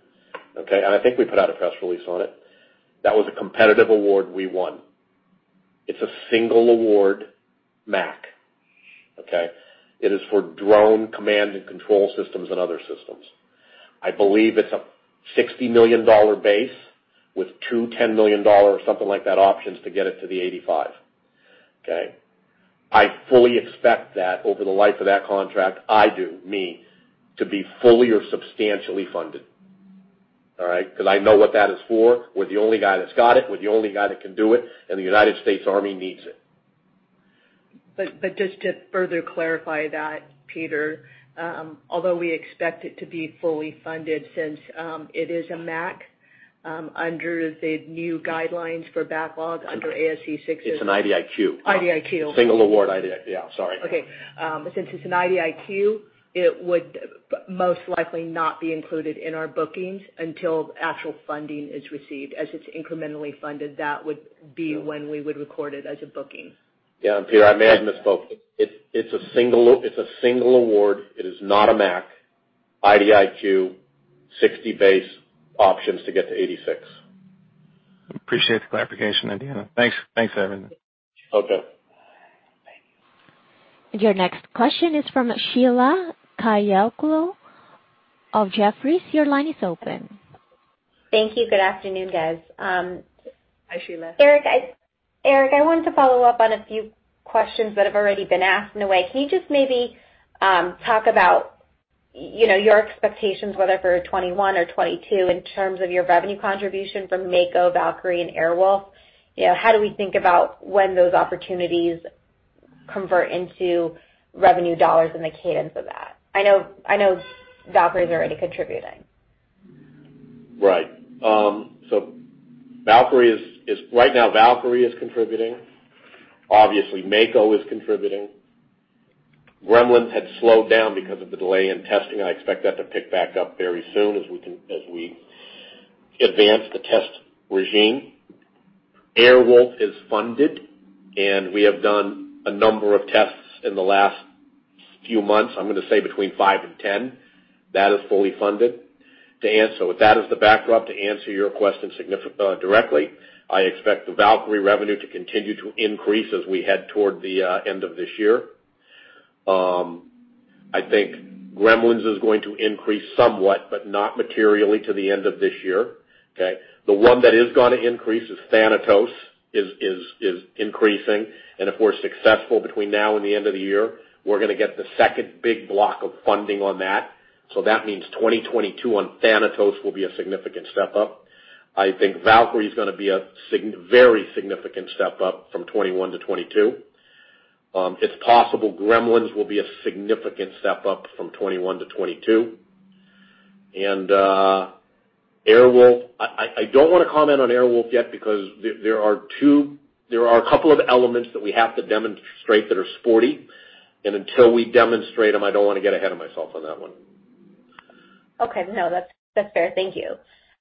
okay, I think we put out a press release on it. That was a competitive award we won. It's a single award, MAC. Okay? It is for drone command and control systems and other systems. I believe it's a $60 million base with two $10 million, or something like that, options to get it to the $85 million. Okay? I fully expect that over the life of that contract, I do, me, to be fully or substantially funded. All right? Because I know what that is for. We're the only guy that's got it. We're the only guy that can do it. The United States Army needs it. Just to further clarify that, Peter, although we expect it to be fully funded since it is a MAC, under the new guidelines for backlog under ASC 606. It's an IDIQ. IDIQ. Single award IDIQ. Yeah. Sorry. Okay. Since it's an IDIQ, it would most likely not be included in our bookings until actual funding is received, as it's incrementally funded. That would be when we would record it as a booking. Yeah. Peter, I may have misspoke. It's a single award. It is not a MAC. IDIQ 60 base options to get to 86. Appreciate the clarification, Deanna. Thanks. Thanks for everything. Okay. Your next question is from Sheila Kahyaoglu of Jefferies. Your line is open. Thank you. Good afternoon, guys. Hi, Sheila. Eric, I wanted to follow up on a few questions that have already been asked in a way. You just maybe talk about your expectations, whether for 2021 or 2022, in terms of your revenue contribution from Mako, Valkyrie, and Air Wolf? How do we think about when those opportunities convert into revenue dollars and the cadence of that? I know Valkyrie is already contributing Right. Right now Valkyrie is contributing. Obviously, Mako is contributing. Gremlins had slowed down because of the delay in testing. I expect that to pick back up very soon as we advance the test regime. Air Wolf is funded, and we have done a number of tests in the last few months, I'm going to say between five and 10. That is fully funded. That is the backdrop. To answer your question directly, I expect the Valkyrie revenue to continue to increase as we head toward the end of this year. I think Gremlins is going to increase somewhat, but not materially to the end of this year. Okay? The one that is going to increase is Thanatos, is increasing, and if we're successful between now and the end of the year, we're going to get the second big block of funding on that. That means 2022 on Thanatos will be a significant step up. I think Valkyrie's going to be a very significant step up from 2021 to 2022. It's possible Gremlins will be a significant step up from 2021 to 2022. Air wolf, I don't want to comment on Air wolf yet because there are a couple of elements that we have to demonstrate that are sporty, and until we demonstrate them, I don't want to get ahead of myself on that one. Okay. No, that's fair. Thank you.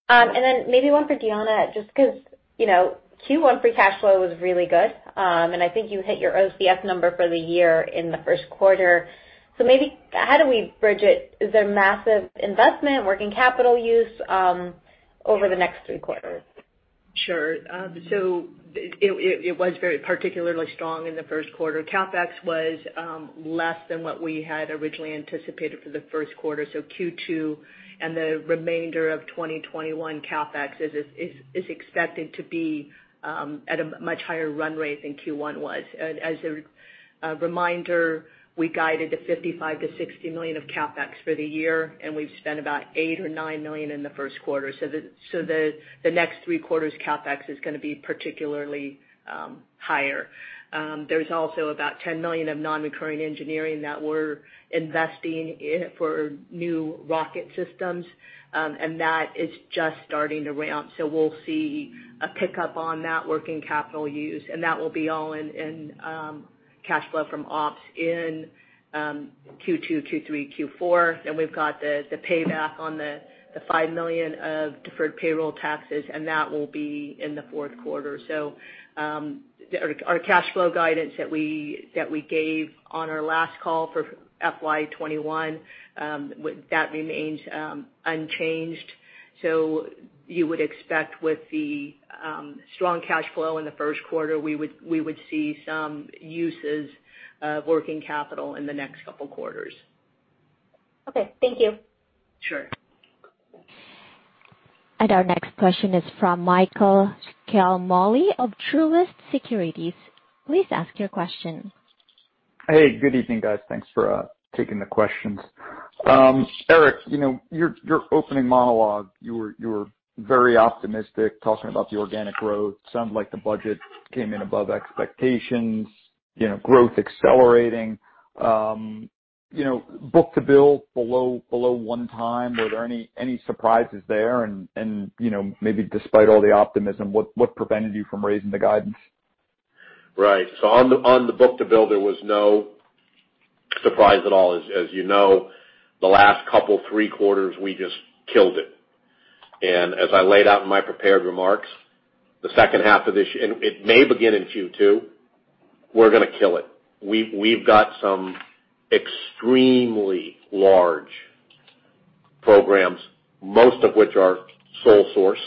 Maybe one for Deanna, just because Q1 free cash flow was really good. I think you hit your OCF number for the year in the Q1. Maybe how do we bridge it? Is there massive investment, working capital use over the next three quarters? Sure. It was very particularly strong in the Q1. CapEx was less than what we had originally anticipated for the Q1. Q2 and the remainder of 2021 CapEx is expected to be at a much higher run rate than Q1 was. As a reminder, we guided to $55 million-$60 million of CapEx for the year, and we've spent about $8 million or $9 million in the Q1. The next three quarters' CapEx is going to be particularly higher. There's also about $10 million of non-recurring engineering that we're investing in for new rocket systems. That is just starting to ramp, we'll see a pickup on that working capital use, and that will be all in cash flow from ops in Q2, Q3, Q4. We've got the payback on the $5 million of deferred payroll taxes, and that will be in the fourth quarter. Our cash flow guidance that we gave on our last call for FY 2021, that remains unchanged. You would expect with the strong cash flow in the Q1, we would see some uses of working capital in the next couple of quarters. Okay. Thank you. Sure. Our next question is from Michael Ciarmoli of Truist Securities. Please ask your question. Hey, good evening, guys. Thanks for taking the questions. Eric, your opening monologue, you were very optimistic talking about the organic growth. Sounded like the budget came in above expectations. Growth accelerating. Book-to-bill below one time. Were there any surprises there? Maybe despite all the optimism, what prevented you from raising the guidance? Right. On the book-to-bill, there was no surprise at all. As you know, the last couple, three quarters, we just killed it. As I laid out in my prepared remarks, the H2 of this year, and it may begin in Q2, we're going to kill it. We've got some extremely large programs, most of which are sole source.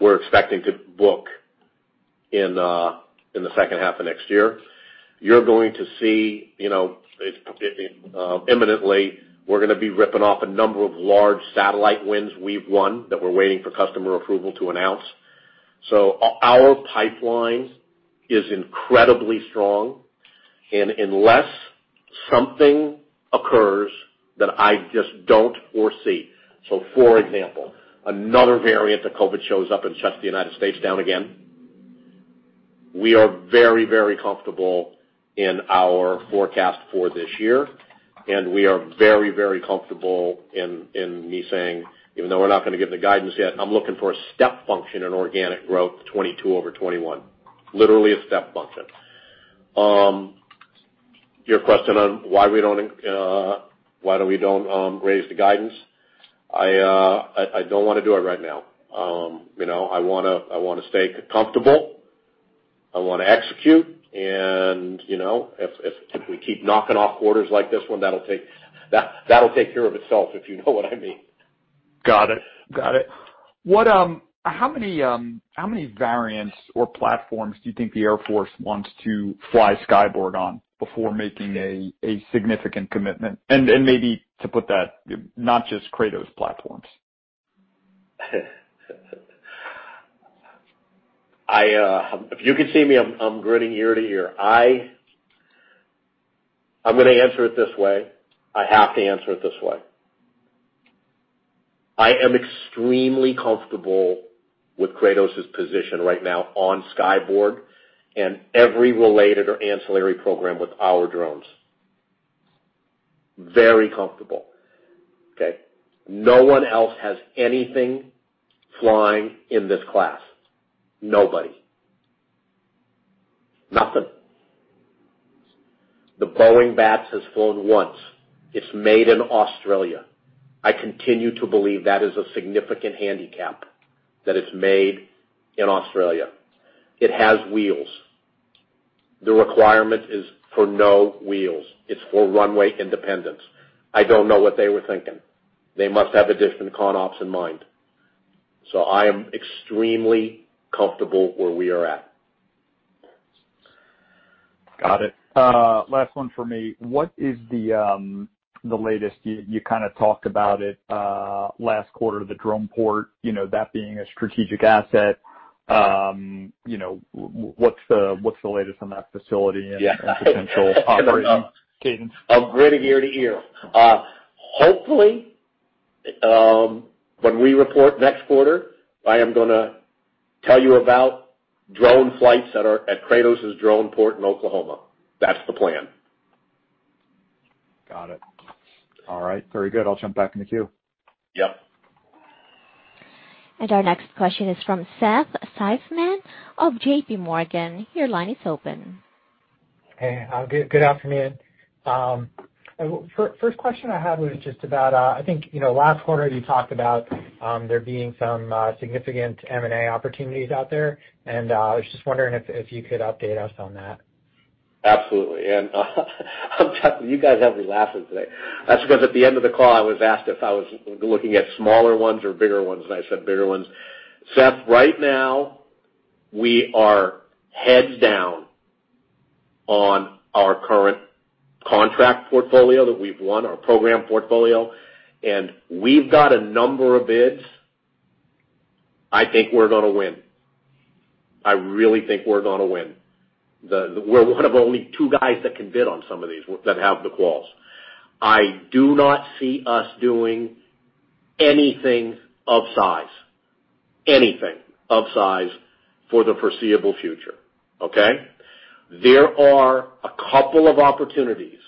We're expecting to book in the H2 of next year. You're going to see imminently we're going to be ripping off a number of large satellite wins we've won that we're waiting for customer approval to announce. Our pipeline is incredibly strong, and unless something occurs that I just don't foresee, for example, another variant of COVID shows up and shuts the U.S. down again, we are very comfortable in our forecast for this year, and we are very comfortable in me saying, even though we're not going to give the guidance yet, I'm looking for a step function in organic growth 2022 over 2021. Literally a step function. Your question on why we don't raise the guidance. I don't want to do it right now. I want to stay comfortable. I want to execute, and if we keep knocking off quarters like this one, that'll take care of itself, if you know what I mean. Got it. How many variants or platforms do you think the Air Force wants to fly Skyborg on before making a significant commitment? Maybe to put that, not just Kratos platforms? If you could see me, I'm grinning ear to ear. I'm going to answer it this way. I have to answer it this way. I am extremely comfortable with Kratos' position right now on Skyborg and every related or ancillary program with our drones. Very comfortable. Okay. No one else has anything flying in this class. Nobody. Nothing. The Boeing Ghost Bat has flown once. It's made in Australia. I continue to believe that is a significant handicap, that it's made in Australia. It has wheels. The requirement is for no wheels. It's for runway independence. I don't know what they were thinking. They must have a different CONOPS in mind. I am extremely comfortable where we are at. Got it. Last one from me. What is the latest? You kind of talked about it last quarter, the drone port, that being a strategic asset. What's the latest on that facility and potential operation cadence? I'm grinning ear to ear. Hopefully, when we report next quarter, I am going to tell you about drone flights that are at Kratos' drone port in Oklahoma. That's the plan. Got it. All right. Very good. I'll jump back in the queue. Yep. Our next question is from Seth Seifman of JPMorgan. Your line is open. Hey. Good afternoon. First question I had was just about, I think, last quarter you talked about there being some significant M&A opportunities out there. I was just wondering if you could update us on that. Absolutely. I'm telling you, guys have me laughing today. That's because at the end of the call, I was asked if I was looking at smaller ones or bigger ones, and I said bigger ones. Seth, right now, we are heads down on our current contract portfolio that we've won, our program portfolio. We've got a number of bids I think we're gonna win. I really think we're gonna win. We're one of only two guys that can bid on some of these, that have the quals. I do not see us doing anything of size, anything of size for the foreseeable future. Okay? There are a couple of opportunities.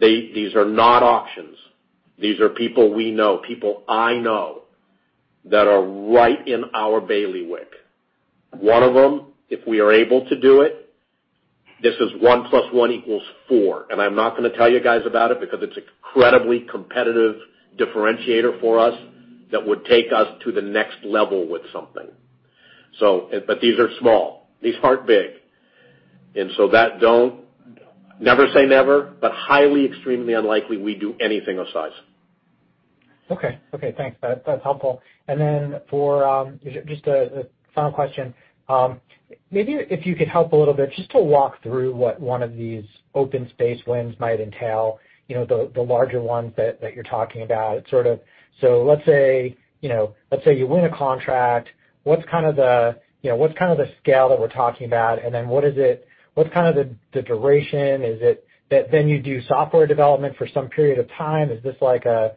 These are not auctions. These are people we know, people I know, that are right in our bailiwick. One of them, if we are able to do it, this is one plus one equals four. I'm not gonna tell you guys about it because it's incredibly competitive differentiator for us that would take us to the next level with something. These are small. These aren't big. Never say never, but highly extremely unlikely we do anything of size. Okay. Thanks. That's helpful. For just a final question, maybe if you could help a little bit, just to walk through what one of these OpenSpace wins might entail, the larger ones that you're talking about. Let's say you win a contract. What's kind of the scale that we're talking about? What's kind of the duration? Is it that then you do software development for some period of time? Is this like a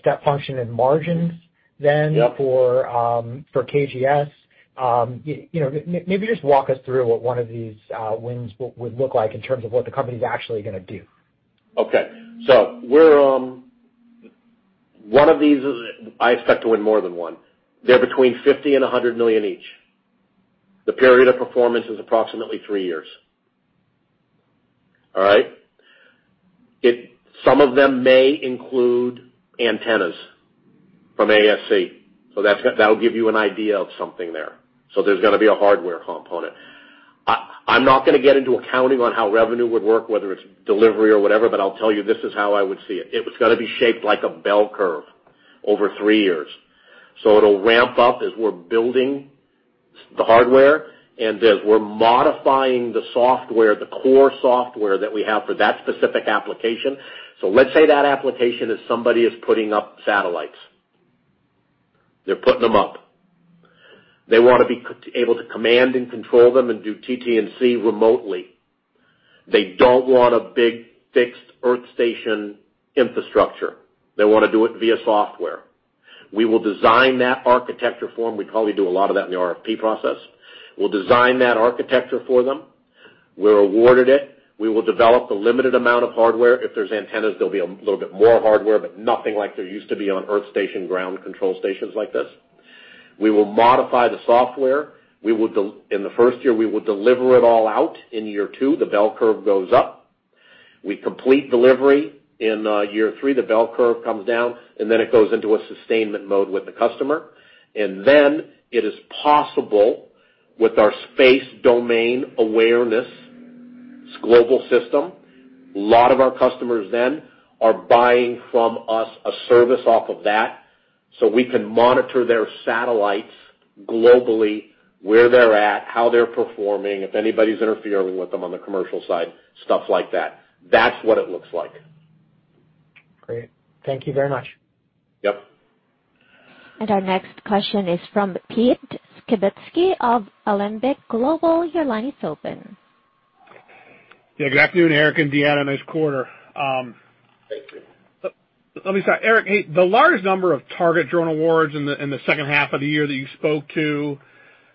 step function in margins? Yep. For KGS? Maybe just walk us through what one of these wins would look like in terms of what the company's actually gonna do. Okay. one of these is, I expect to win more than one. They're between $50 million and $100 million each. The period of performance is approximately three years. All right. Some of them may include antennas from ASC. That'll give you an idea of something there. There's gonna be a hardware component. I'm not gonna get into accounting on how revenue would work, whether it's delivery or whatever, but I'll tell you this is how I would see it. It was gonna be shaped like a bell curve over three years. It'll ramp up as we're building the hardware and as we're modifying the software, the core software that we have for that specific application. Let's say that application is somebody is putting up satellites. They're putting them up. They want to be able to command and control them and do TT&C remotely. They don't want a big fixed earth station infrastructure. They want to do it via software. We will design that architecture for them. We probably do a lot of that in the RFP process. We'll design that architecture for them. We're awarded it. We will develop a limited amount of hardware. If there's antennas, there'll be a little bit more hardware, but nothing like there used to be on earth station ground control stations like this. We will modify the software. In the first year, we will deliver it all out. In year two, the bell curve goes up. We complete delivery. In year three, the bell curve comes down, and then it goes into a sustainment mode with the customer. It is possible with our space domain awareness global system, a lot of our customers then are buying from us a service off of that, so we can monitor their satellites globally, where they're at, how they're performing, if anybody's interfering with them on the commercial side, stuff like that. That's what it looks like. Great. Thank you very much. Yep. Our next question is from Peter Skibitski of Alembic Global. Your line is open. Yeah. Good afternoon, Eric and Deanna. Nice quarter. Let me start. Eric, hey, the largest number of target drone awards in the H2 of the year that you spoke to,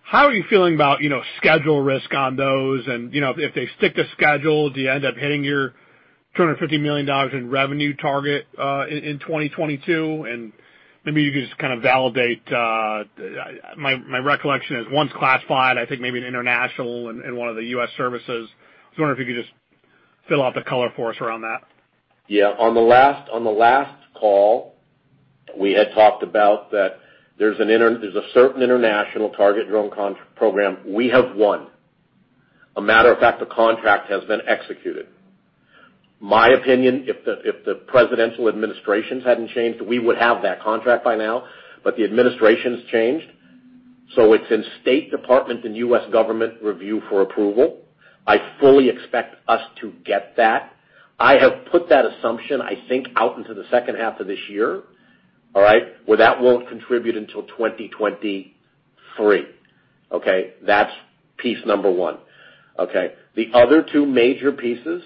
how are you feeling about schedule risk on those? If they stick to schedule, do you end up hitting your $250 million in revenue target in 2022? Maybe you can just kind of validate, my recollection is one's classified, I think maybe an international and one of the U.S. services. I was wondering if you could just fill out the color for us around that. Yeah. On the last call, we had talked about that there's a certain international target drone program we have won. A matter of fact, the contract has been executed. My opinion, if the presidential administrations hadn't changed, we would have that contract by now, but the administration's changed. It's in State Department and U.S. government review for approval. I fully expect us to get that. I have put that assumption, I think, out into the H2 of this year, all right? Where that won't contribute until 2023. Okay? That's piece number one. Okay. The other two major pieces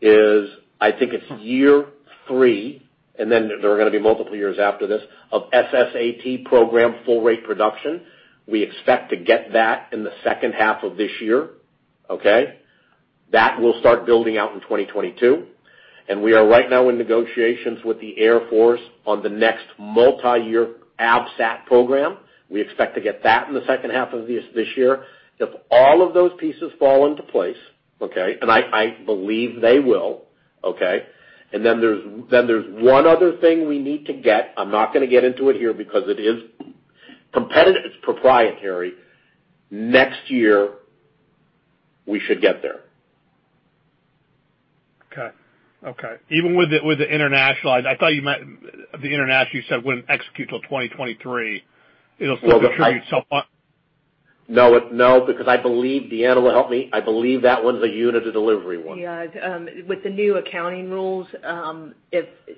is, I think it's year three, and then there are going to be multiple years after this, of SSAT program full rate production. We expect to get that in the H2 of this year. Okay? That will start building out in 2022, and we are right now in negotiations with the Air Force on the next multi-year AFSAT program. We expect to get that in the H2 of this year. If all of those pieces fall into place, okay, and I believe they will, okay. There's one other thing we need to get. I'm not going to get into it here because it is competitive, it's proprietary. Next year we should get there. Okay. Even with the international, I thought you meant the international you said wouldn't execute till 2023. It'll still contribute to. No, because I believe, Deanna will help me, I believe that one's a unit of delivery one. Yeah. With the new accounting rules,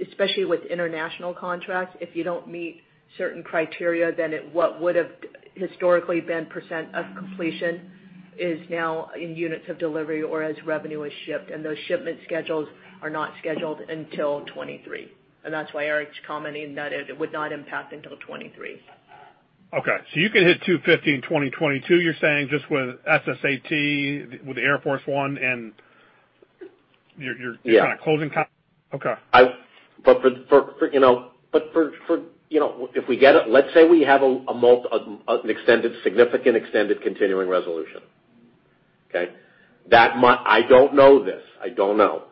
especially with international contracts, if you don't meet certain criteria, then what would have historically been percent of completion is now in units of delivery or as revenue is shipped, and those shipment schedules are not scheduled until 2023. That's why Eric's commenting that it would not impact until 2023. Okay. You could hit $250 in 2022, you're saying, just with SSAT, with the Air Force one? Yeah. Kind of closing. Okay. Let's say we have a significant extended continuing resolution, okay? I don't know this. I don't know.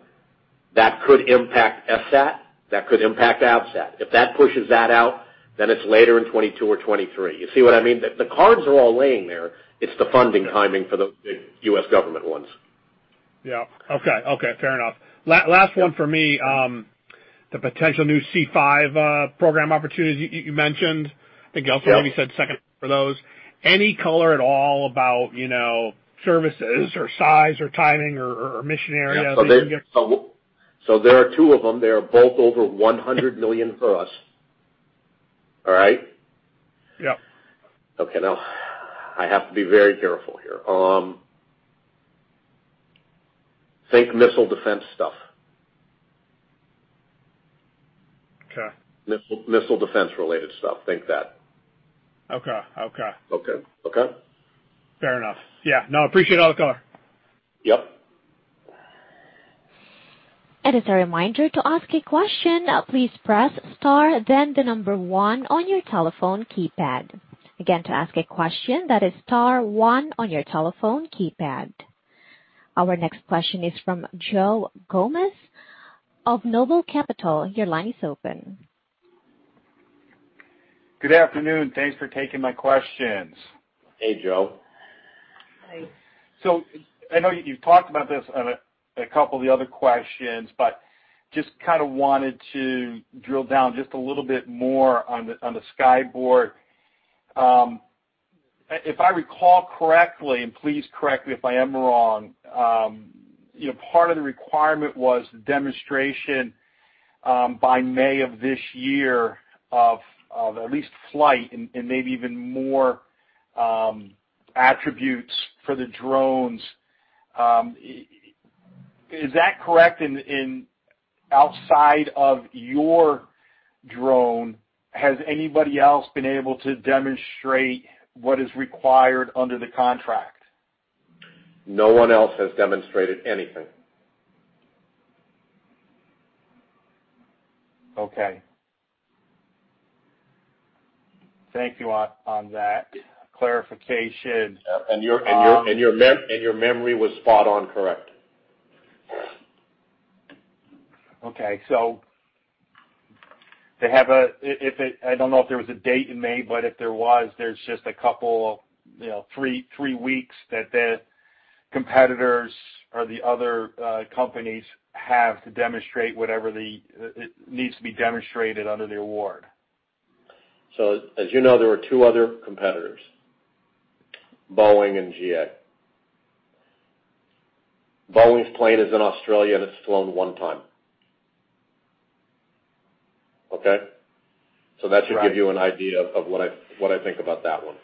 That could impact SSAT, that could impact ASSAT. If that pushes that out, then it's later in 2022 or 2023. You see what I mean? The cards are all laying there. It's the funding timing for the big U.S. government ones. Yeah. Okay. Fair enough. Last one for me. The potential new C5 program opportunities you mentioned, I think also maybe said second for those. Any color at all about services or size or timing or mission areas that you can give? There are two of them. They are both over $100 million for us. All right? Yeah. Okay. Now, I have to be very careful here. Think missile defense stuff. Okay. Missile defense related stuff. Think that. Okay. Okay? Fair enough. Yeah. No, appreciate all the color. Yep. As a reminder, to ask a question, please press star then the number one on your telephone keypad. Again, to ask a question, that is star one on your telephone keypad. Our next question is from Joe Gomes of Noble Capital. Your line is open. Good afternoon. Thanks for taking my questions. Hey, Joe. Hi. I know you've talked about this on a couple of the other questions, but just kind of wanted to drill down just a little bit more on the Skyborg. If I recall correctly, and please correct me if I am wrong, part of the requirement was demonstration, by May of this year of at least flight and maybe even more attributes for the drones. Is that correct? Outside of your drone, has anybody else been able to demonstrate what is required under the contract? No one else has demonstrated anything. Okay. Thank you on that clarification. Your memory was spot on correct. Okay. I don't know if there was a date in May, but if there was, there's just a couple, three weeks that the competitors or the other companies have to demonstrate whatever needs to be demonstrated under the award. As you know, there are two other competitors, Boeing and GA. Boeing's plane is in Australia, and it's flown one time. Okay. That should give you an idea of what I think about that one.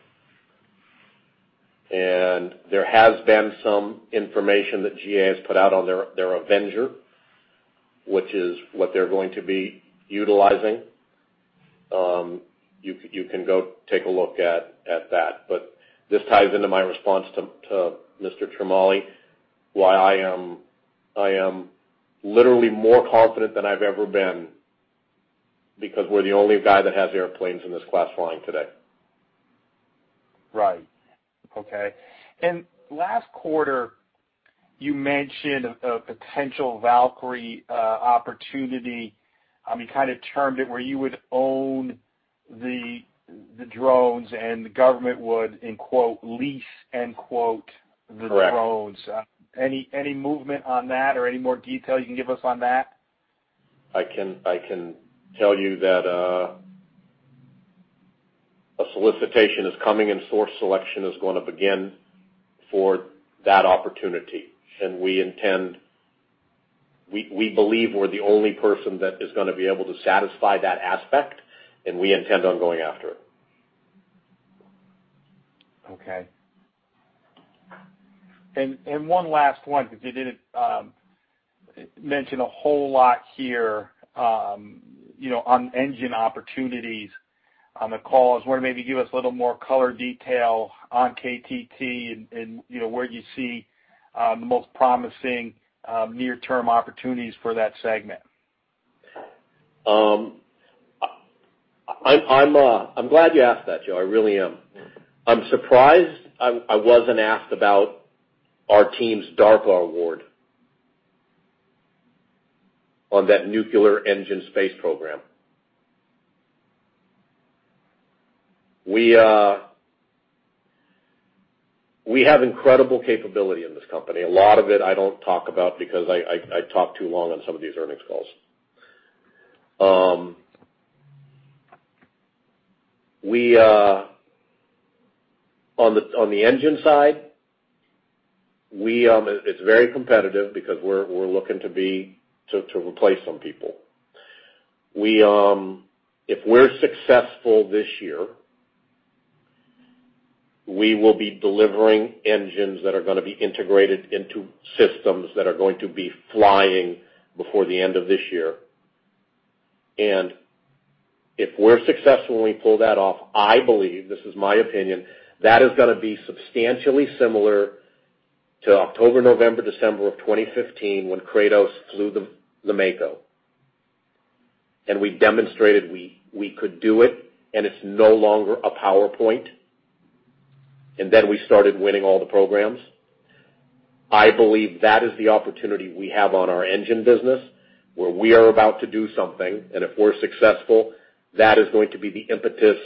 There has been some information that GA has put out on their Avenger, which is what they're going to be utilizing. You can go take a look at that. This ties into my response to Mr. Ciarmoli, why I am literally more confident than I've ever been, because we're the only guy that has airplanes in this class flying today. Right. Okay. Last quarter, you mentioned a potential Valkyrie opportunity. You kind of termed it where you would own the drones and the government would "lease" the drones. Correct. Any movement on that or any more detail you can give us on that? I can tell you that a solicitation is coming, and source selection is going to begin for that opportunity. We believe we're the only person that is going to be able to satisfy that aspect, and we intend on going after it. Okay. One last one, because you didn't mention a whole lot here on engine opportunities on the call. I was wondering maybe give us a little more color detail on KTT and where you see the most promising near-term opportunities for that segment. I'm glad you asked that, Joe. I really am. I'm surprised I wasn't asked about our team's DARPA award on that nuclear engine space program. We have incredible capability in this company. A lot of it I don't talk about because I talk too long on some of these earnings calls. On the engine side, it's very competitive because we're looking to replace some people. If we're successful this year, we will be delivering engines that are going to be integrated into systems that are going to be flying before the end of this year. If we're successful and we pull that off, I believe, this is my opinion, that is going to be substantially similar to October, November, December of 2015, when Kratos flew the Mako. We demonstrated we could do it, and it's no longer a PowerPoint. Then we started winning all the programs. I believe that is the opportunity we have on our engine business, where we are about to do something, and if we're successful, that is going to be the impetus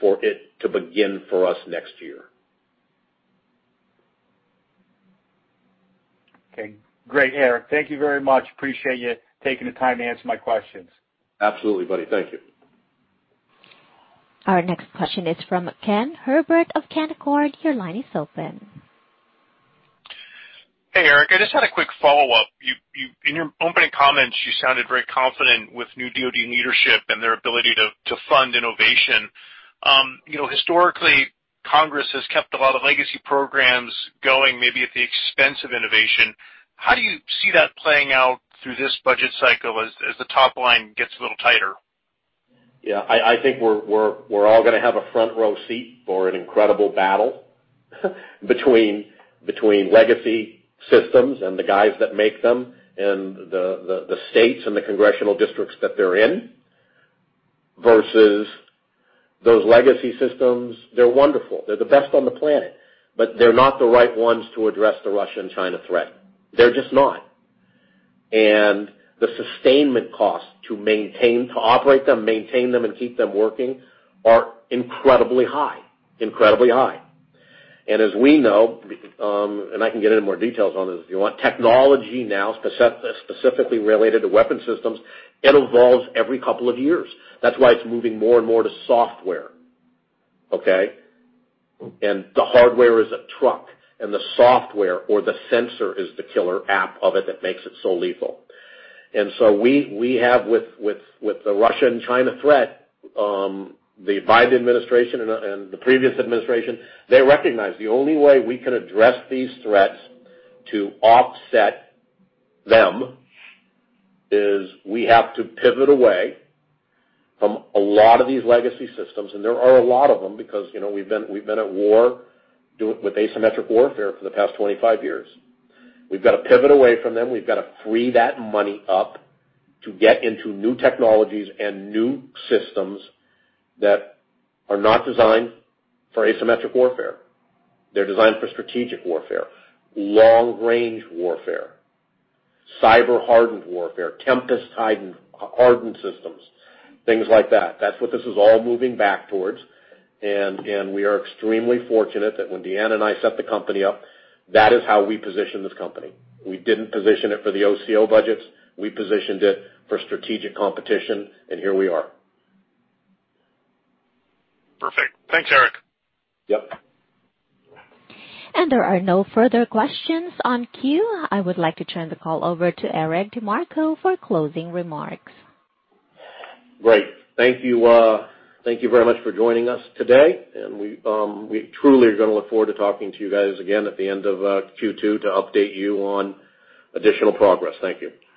for it to begin for us next year. Okay. Great, Eric. Thank you very much. Appreciate you taking the time to answer my questions. Absolutely, buddy. Thank you. Our next question is from Ken Herbert of Canaccord. Your line is open. Hey, Eric, I just had a quick follow-up. In your opening comments, you sounded very confident with new DoD leadership and their ability to fund innovation. Historically, Congress has kept a lot of legacy programs going, maybe at the expense of innovation. How do you see that playing out through this budget cycle as the top line gets a little tighter? Yeah, I think we're all going to have a front-row seat for an incredible battle between legacy systems and the guys that make them, and the states and the congressional districts that they're in, versus those legacy systems. They're wonderful. They're the best on the planet, but they're not the right ones to address the Russia and China threat. They're just not. The sustainment cost to operate them, maintain them, and keep them working are incredibly high. Incredibly high. As we know, and I can get into more details on this if you want, technology now, specifically related to weapon systems, it evolves every couple of years. That's why it's moving more and more to software. Okay? The hardware is a truck, and the software or the sensor is the killer app of it that makes it so lethal. We have with the Russia and China threat, the Biden administration and the previous administration, they recognize the only way we can address these threats to offset them is we have to pivot away from a lot of these legacy systems. There are a lot of them because we've been at war with asymmetric warfare for the past 25 years. We've got to pivot away from them. We've got to free that money up to get into new technologies and new systems that are not designed for asymmetric warfare. They're designed for strategic warfare, long-range warfare, cyber-hardened warfare, TEMPEST-hardened systems, things like that. That's what this is all moving back towards. We are extremely fortunate that when Deanna and I set the company up, that is how we positioned this company. We didn't position it for the OCO budgets. We positioned it for strategic competition, and here we are. Perfect. Thanks, Eric. Yep. There are no further questions in queue. I would like to turn the call over to Eric DeMarco for closing remarks. Great. Thank you very much for joining us today. We truly are going to look forward to talking to you guys again at the end of Q2 to update you on additional progress. Thank you.